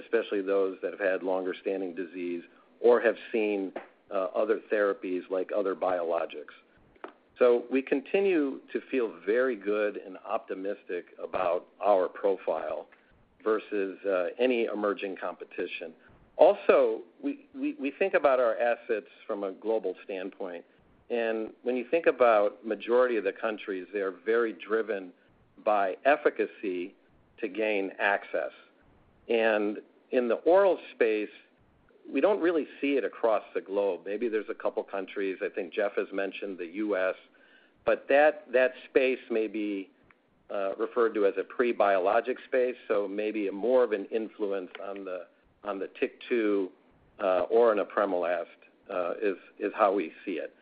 especially those that have had longer-standing disease or have seen other therapies like other biologics. So we continue to feel very good and optimistic about our profile versus any emerging competition. Also, we think about our assets from a global standpoint, and when you think about the majority of the countries, they are very driven by efficacy to gain access. And in the oral space, we don't really see it across the globe. Maybe there's a couple of countries. I think Jeff has mentioned the U.S., but that space may be referred to as a pre-biologic space. Maybe more of an influence on the Tyk2 or on apremilast is how we see it.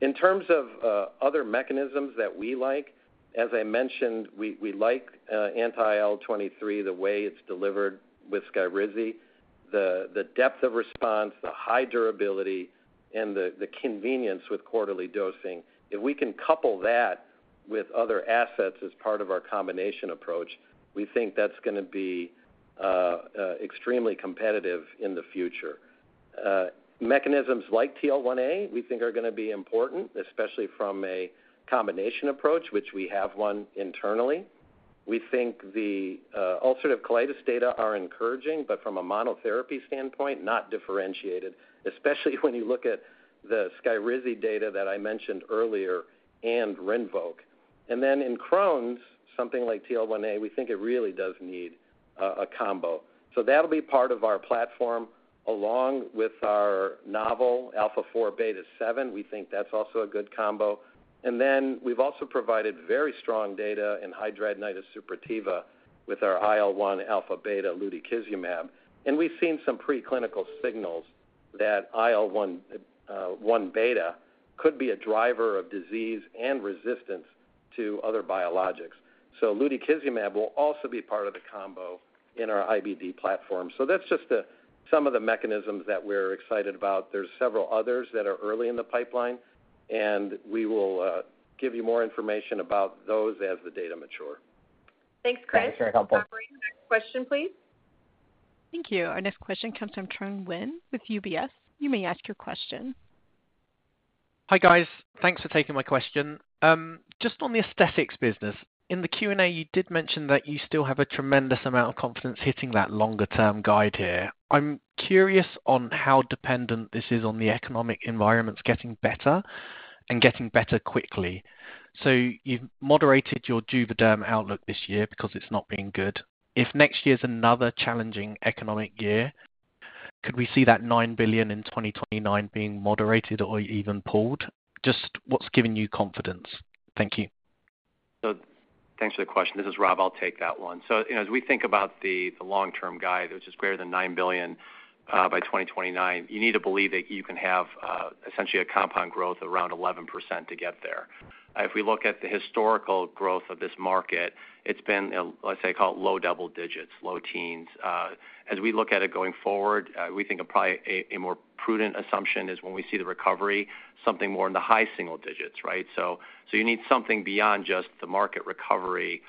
In terms of other mechanisms that we like, as I mentioned, we like anti-IL-23, the way it is delivered with Skyrizi, the depth of response, the high durability, and the convenience with quarterly dosing. If we can couple that with other assets as part of our combination approach, we think that is going to be extremely competitive in the future. Mechanisms like TL1A, we think, are going to be important, especially from a combination approach, which we have one internally. We think the ulcerative colitis data are encouraging, but from a monotherapy standpoint, not differentiated, especially when you look at the Skyrizi data that I mentioned earlier and Rinvoq. In Crohn's, something like TL1A, we think it really does need a combo. That'll be part of our platform along with our novel alpha 4 beta 7. We think that's also a good combo. Then we've also provided very strong data in hidradenitis suppurativa with our IL-1 alpha beta lutikizumab. We've seen some preclinical signals that IL-1 beta could be a driver of disease and resistance to other biologics. Lutikizumab will also be part of the combo in our IBD platform. That's just some of the mechanisms that we're excited about. There are several others that are early in the pipeline, and we will give you more information about those as the data mature. Thanks, Chris. Thanks for your help. Operator, next question, please. Thank you. Our next question comes from Trung Huynh with UBS. You may ask your question. Hi guys. Thanks for taking my question. Just on the aesthetics business, in the Q&A, you did mention that you still have a tremendous amount of confidence hitting that longer-term guide here. I'm curious on how dependent this is on the economic environment's getting better and getting better quickly. So you've moderated your Juvederm outlook this year because it's not being good. If next year's another challenging economic year, could we see that $9 billion in 2029 being moderated or even pulled? Just what's giving you confidence? Thank you. So thanks for the question. This is Rob. I'll take that one. So as we think about the long-term guide, which is greater than $9 billion by 2029, you need to believe that you can have essentially a compound growth of around 11% to get there. If we look at the historical growth of this market, it's been, let's say, called low double digits, low teens. As we look at it going forward, we think of probably a more prudent assumption is when we see the recovery, something more in the high single digits, right? So you need something beyond just the market recovery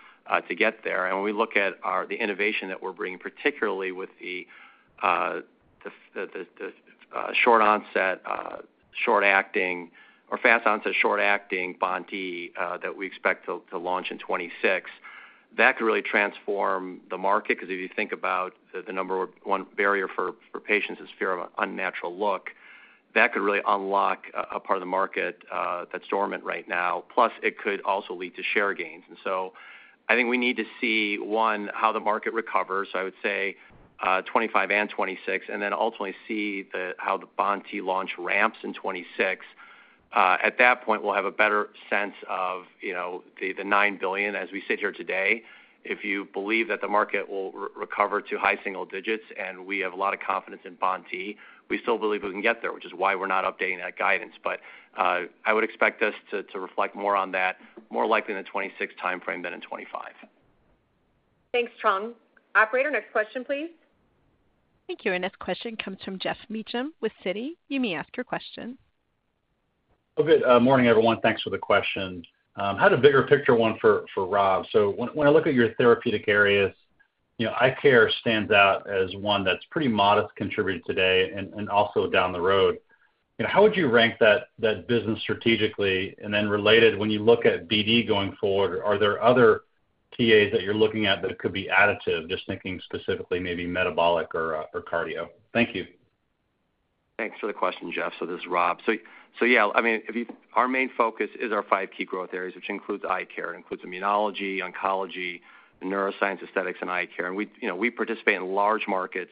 to get there. And when we look at the innovation that we're bringing, particularly with the short-acting or fast-onset short-acting BoNT/E that we expect to launch in 2026, that could really transform the market because if you think about the number one barrier for patients is fear of an unnatural look, that could really unlock a part of the market that's dormant right now. Plus, it could also lead to share gains. And so I think we need to see, one, how the market recovers. So I would say 2025 and 2026, and then ultimately see how the BoNT/E launch ramps in 2026. At that point, we'll have a better sense of the $9 billion as we sit here today. If you believe that the market will recover to high single digits and we have a lot of confidence in BoNT/E, we still believe we can get there, which is why we're not updating that guidance, but I would expect us to reflect more on that, more likely in the 2026 timeframe than in 2025. Thanks, Trung. Operator, next question, please. Thank you. Our next question comes from Geoff Meacham with Citi. You may ask your question. Good morning, everyone. Thanks for the question. I had a bigger picture one for Rob. When I look at your therapeutic areas, Eye Care stands out as one that's pretty modest contributor today and also down the road. How would you rank that business strategically? Related, when you look at BD going forward, are there other TAs that you're looking at that could be additive, just thinking specifically maybe metabolic or cardio? Thank you. Thanks for the question, Jeff. So this is Rob. So yeah, I mean, our main focus is our five key growth areas, which includes Eye Care, includes immunology, oncology, neuroscience, aesthetics, and Eye Care. We participate in large markets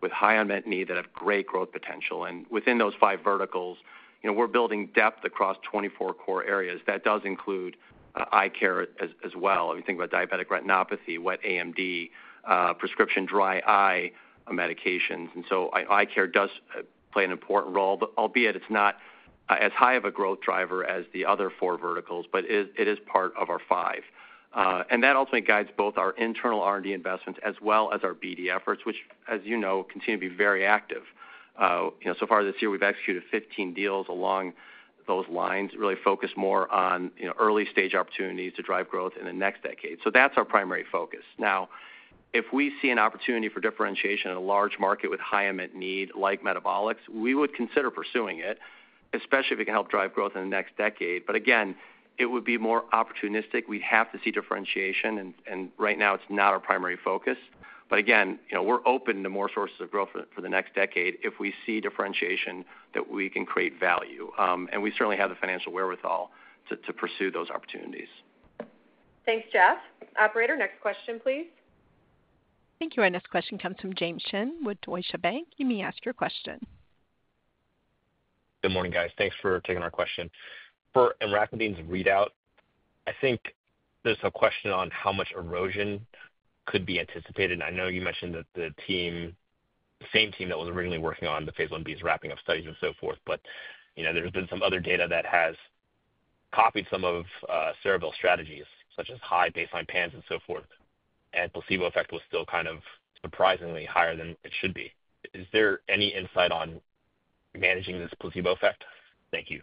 with high unmet need that have great growth potential. Within those five verticals, we're building depth across 24 core areas. That does include ICARE as well. I mean, think about diabetic retinopathy, wet AMD, prescription dry eye medications. ICARE does play an important role, albeit it's not as high of a growth driver as the other four verticals, but it is part of our five. That ultimately guides both our internal R&D investments as well as our BD efforts, which, as you know, continue to be very active. So far this year, we've executed 15 deals along those lines, really focused more on early-stage opportunities to drive growth in the next decade. So that's our primary focus. Now, if we see an opportunity for differentiation in a large market with high unmet need like metabolics, we would consider pursuing it, especially if it can help drive growth in the next decade. But again, it would be more opportunistic. We'd have to see differentiation. And right now, it's not our primary focus. But again, we're open to more sources of growth for the next decade if we see differentiation that we can create value. And we certainly have the financial wherewithal to pursue those opportunities. Thanks, Jeff. Operator, next question, please. Thank you. Our next question comes from James Shin with Deutsche Bank. You may ask your question. Good morning, guys. Thanks for taking our question. For Emraclidine's readout, I think there's a question on how much erosion could be anticipated. And I know you mentioned that the same team that was originally working on the phase 1B is wrapping up studies and so forth, but there's been some other data that has copied some of Cerevel's strategies, such as high baseline PANSS and so forth. And placebo effect was still kind of surprisingly higher than it should be. Is there any insight on managing this placebo effect? Thank you.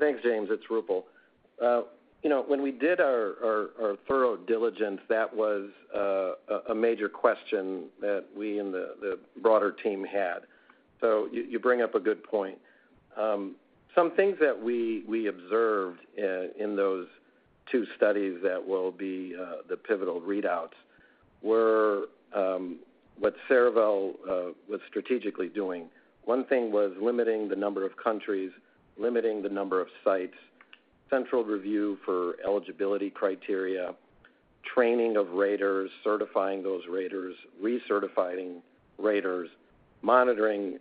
Thanks, James. It's Roopal. When we did our thorough diligence, that was a major question that we and the broader team had. So you bring up a good point. Some things that we observed in those two studies that will be the pivotal readouts were what Cerevel was strategically doing. One thing was limiting the number of countries, limiting the number of sites, central review for eligibility criteria, training of raters, certifying those raters, recertifying raters, monitoring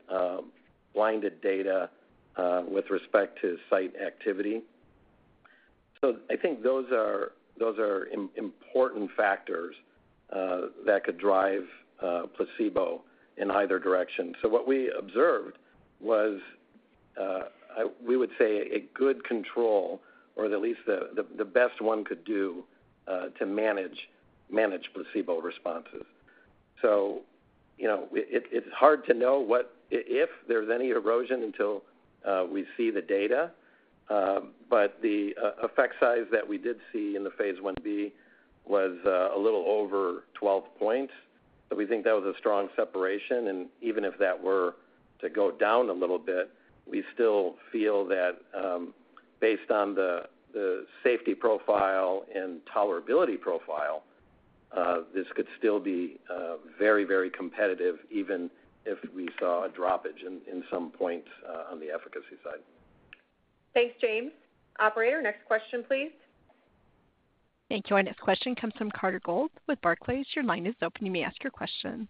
blinded data with respect to site activity. So I think those are important factors that could drive placebo in either direction. So what we observed was, we would say, a good control, or at least the best one could do to manage placebo responses. So it's hard to know if there's any erosion until we see the data, but the effect size that we did see in the phase one B was a little over 12 points. But we think that was a strong separation. And even if that were to go down a little bit, we still feel that based on the safety profile and tolerability profile, this could still be very, very competitive, even if we saw a droppage in some points on the efficacy side. Thanks, James. Operator, next question, please. Thank you. Our next question comes from Carter Gould with Barclays. Your line is open. You may ask your question.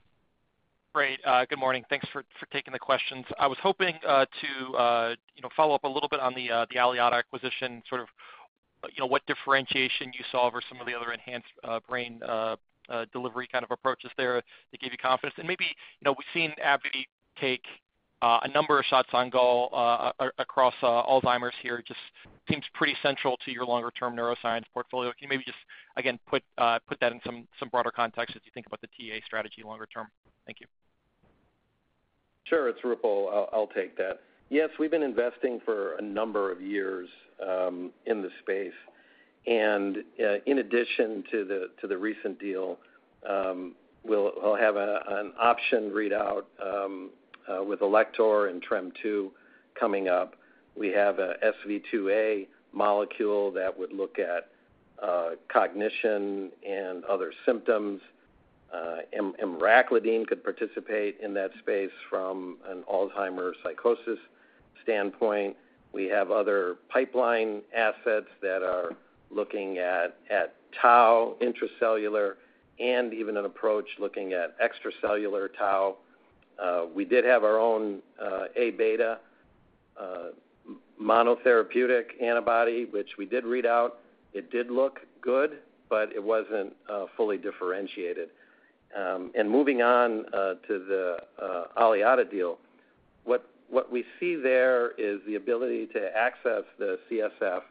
Great. Good morning. Thanks for taking the questions. I was hoping to follow up a little bit on the Aliada acquisition, sort of what differentiation you saw over some of the other enhanced brain delivery kind of approaches there that gave you confidence. And maybe we've seen AbbVie take a number of shots on goal across Alzheimer's here. It just seems pretty central to your longer-term neuroscience portfolio. Can you maybe just, again, put that in some broader context as you think about the TA strategy longer term? Thank you. Sure. It's Roopal. I'll take that. Yes, we've been investing for a number of years in the space. In addition to the recent deal, we'll have an option readout with Alector and Trem-2 coming up. We have an SV2A molecule that would look at cognition and other symptoms. Emraclidine could participate in that space from an Alzheimer's psychosis standpoint. We have other pipeline assets that are looking at Tau intracellular and even an approach looking at extracellular Tau. We did have our own A beta monotherapeutic antibody, which we did read out. It did look good, but it wasn't fully differentiated. Moving on to the Aliada deal, what we see there is the ability to access the CSF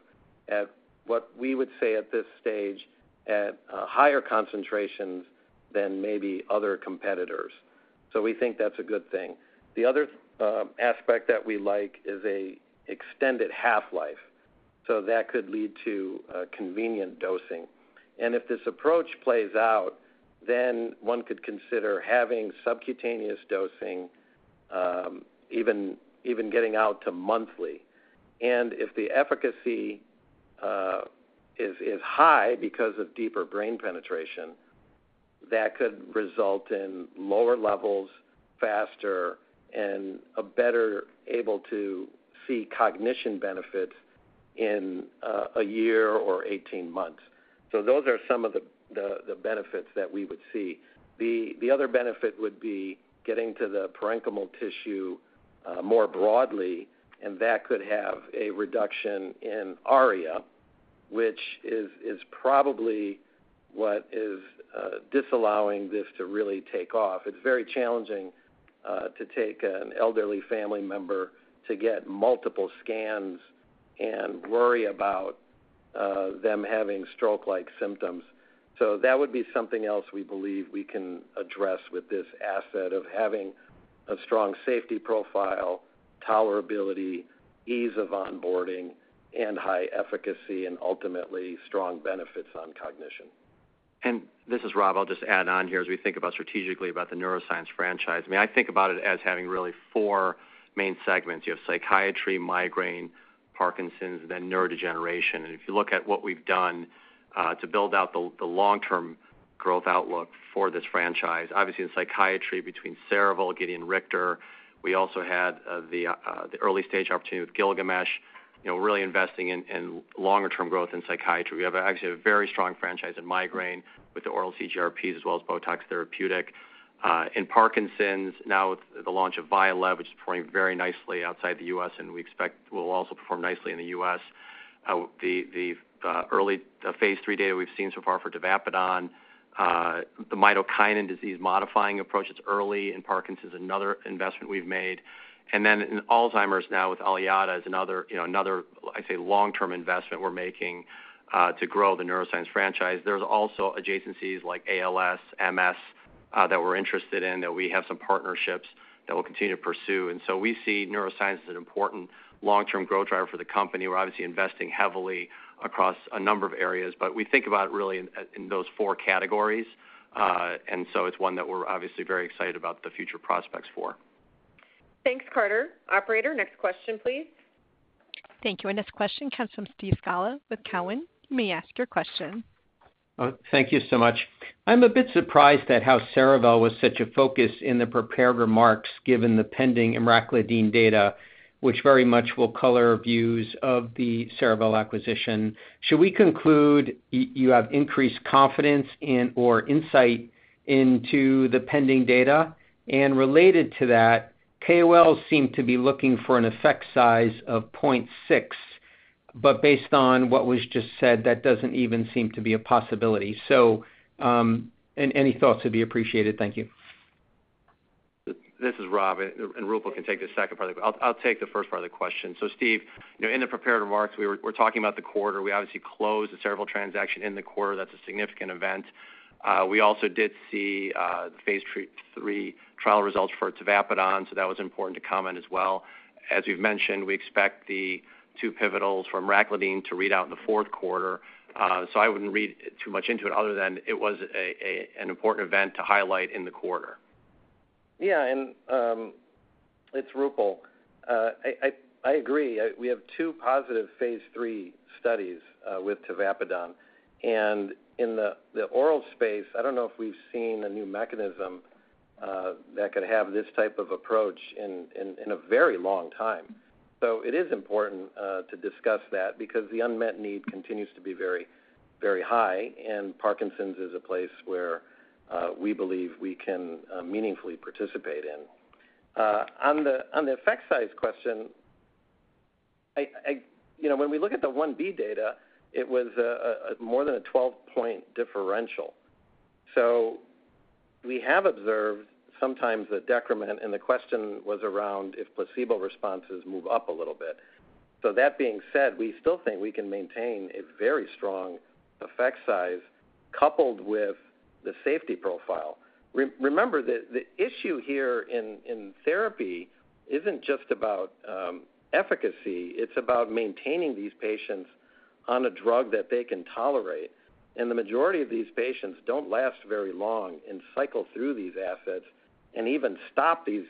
at what we would say at this stage at higher concentrations than maybe other competitors. So we think that's a good thing. The other aspect that we like is an extended half-life. So that could lead to convenient dosing. And if this approach plays out, then one could consider having subcutaneous dosing, even getting out to monthly. And if the efficacy is high because of deeper brain penetration, that could result in lower levels, faster, and a better able to see cognition benefits in a year or 18 months. So those are some of the benefits that we would see. The other benefit would be getting to the parenchymal tissue more broadly, and that could have a reduction in ARIA, which is probably what is disallowing this to really take off. It's very challenging to take an elderly family member to get multiple scans and worry about them having stroke-like symptoms. That would be something else we believe we can address with this asset of having a strong safety profile, tolerability, ease of onboarding, and high efficacy, and ultimately strong benefits on cognition. This is Rob. I'll just add on here as we think strategically about the neuroscience franchise. I mean, I think about it as having really four main segments. You have psychiatry, migraine, Parkinson's, then neurodegeneration. And if you look at what we've done to build out the long-term growth outlook for this franchise, obviously in psychiatry between Cerevel, Gedeon Richter. We also had the early-stage opportunity with Gilgamesh, really investing in longer-term growth in psychiatry. We have actually a very strong franchise in migraine with the oral CGRPs as well as Botox therapeutic. In Parkinson's, now with the launch of Vyalev, which is performing very nicely outside the US, and we expect will also perform nicely in the US. The early phase three data we've seen so far for Tavapadon, the mitochondrial disease modifying approach, it's early in Parkinson's, another investment we've made. And then in Alzheimer's now with Aliada is another, I'd say, long-term investment we're making to grow the neuroscience franchise. There's also adjacencies like ALS, MS that we're interested in that we have some partnerships that we'll continue to pursue. And so we see neuroscience as an important long-term growth driver for the company. We're obviously investing heavily across a number of areas, but we think about it really in those four categories. And so it's one that we're obviously very excited about the future prospects for. Thanks, Carter. Operator, next question, please. Thank you. Our next question comes from Steve Scala with Cowen. You may ask your question. Thank you so much. I'm a bit surprised at how Cerevel was such a focus in the prepared remarks given the pending Emraclidine data, which very much will color views of the Cerevel acquisition. Should we conclude you have increased confidence and/or insight into the pending data? And related to that, KOL seemed to be looking for an effect size of 0.6, but based on what was just said, that doesn't even seem to be a possibility. So any thoughts would be appreciated. Thank you. This is Rob. And Roopal can take the second part of the question. I'll take the first part of the question. So Steve, in the prepared remarks, we were talking about the quarter. We obviously closed the Cerevel transaction in the quarter. That's a significant event. We also did see the phase 3 trial results for tavapadon. So that was important to comment as well. As we've mentioned, we expect the two pivotals for emraclidine to read out in the fourth quarter. So I wouldn't read too much into it other than it was an important event to highlight in the quarter. Yeah. And it's Roopal. I agree. We have two positive phase three studies with tavapadon. And in the oral space, I don't know if we've seen a new mechanism that could have this type of approach in a very long time. So it is important to discuss that because the unmet need continues to be very, very high. And Parkinson's is a place where we believe we can meaningfully participate in. On the effect size question, when we look at the one B data, it was more than a 12-point differential. So we have observed sometimes the decrement, and the question was around if placebo responses move up a little bit. So that being said, we still think we can maintain a very strong effect size coupled with the safety profile. Remember that the issue here in therapy isn't just about efficacy. It's about maintaining these patients on a drug that they can tolerate. And the majority of these patients don't last very long and cycle through these assets and even stop these,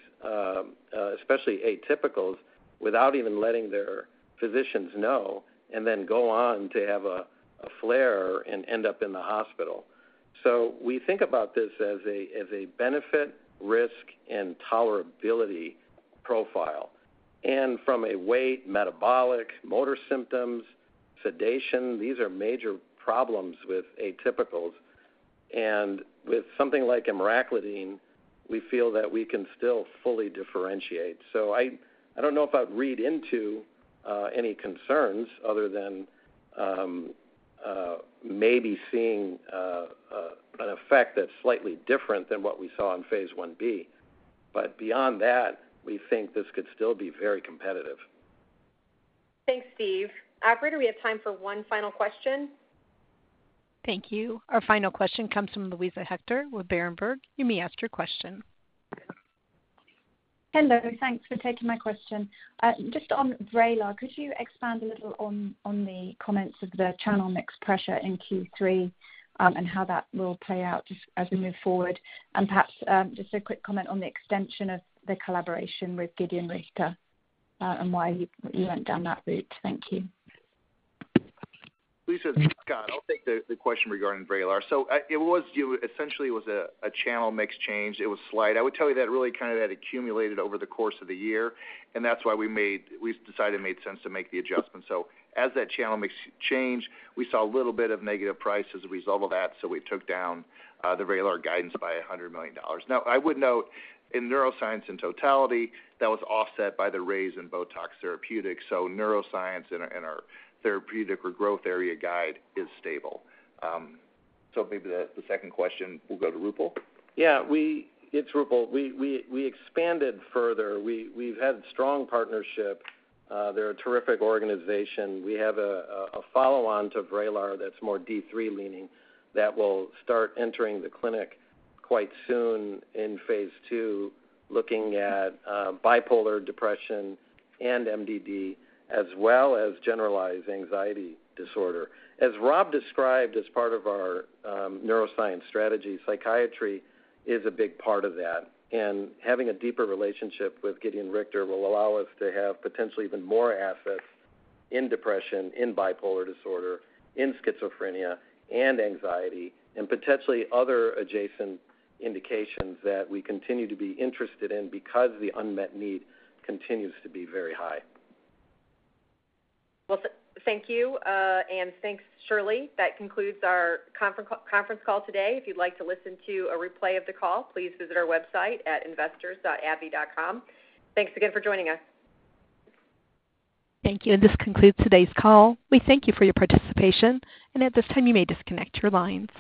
especially atypicals, without even letting their physicians know and then go on to have a flare and end up in the hospital. So we think about this as a benefit, risk, and tolerability profile. And from a weight, metabolic, motor symptoms, sedation, these are major problems with atypicals. And with something like Emraclidine, we feel that we can still fully differentiate. So I don't know if I'd read into any concerns other than maybe seeing an effect that's slightly different than what we saw in phase 1b. But beyond that, we think this could still be very competitive. Thanks, Steve. Operator, we have time for one final question. Thank you. Our final question comes from Luisa Hector with Berenberg. You may ask your question. Hello. Thanks for taking my question. Just on Vraylar, could you expand a little on the comments of the channel mix pressure in Q3 and how that will play out as we move forward? And perhaps just a quick comment on the extension of the collaboration with Gedeon Richter and why you went down that route. Thank you. Luisa Hector, I'll take the question regarding Vraylar. So it was essentially a channel mix change. It was slight. I would tell you that really kind of had accumulated over the course of the year. And that's why we decided it made sense to make the adjustment. So as that channel mix changed, we saw a little bit of negative price as a result of that. So we took down the Vraylar guidance by $100 million. Now, I would note in neuroscience in totality, that was offset by the raise in Botox therapeutic. So neuroscience in our therapeutic or growth area guide is stable. So maybe the second question will go to Roopal. Yeah. It's Roopal. We expanded further. We've had a strong partnership. They're a terrific organization. We have a follow-on to Vraylar that's more D3 leaning that will start entering the clinic quite soon in phase two, looking at bipolar depression and MDD, as well as generalized anxiety disorder. As Rob described, as part of our neuroscience strategy, psychiatry is a big part of that. And having a deeper relationship with Gedeon Richter will allow us to have potentially even more assets in depression, in bipolar disorder, in schizophrenia, and anxiety, and potentially other adjacent indications that we continue to be interested in because the unmet need continues to be very high. Thank you. Thanks, Shirley. That concludes our conference call today. If you'd like to listen to a replay of the call, please visit our website at investors.abbvie.com. Thanks again for joining us. Thank you. This concludes today's call. We thank you for your participation. And at this time, you may disconnect your lines.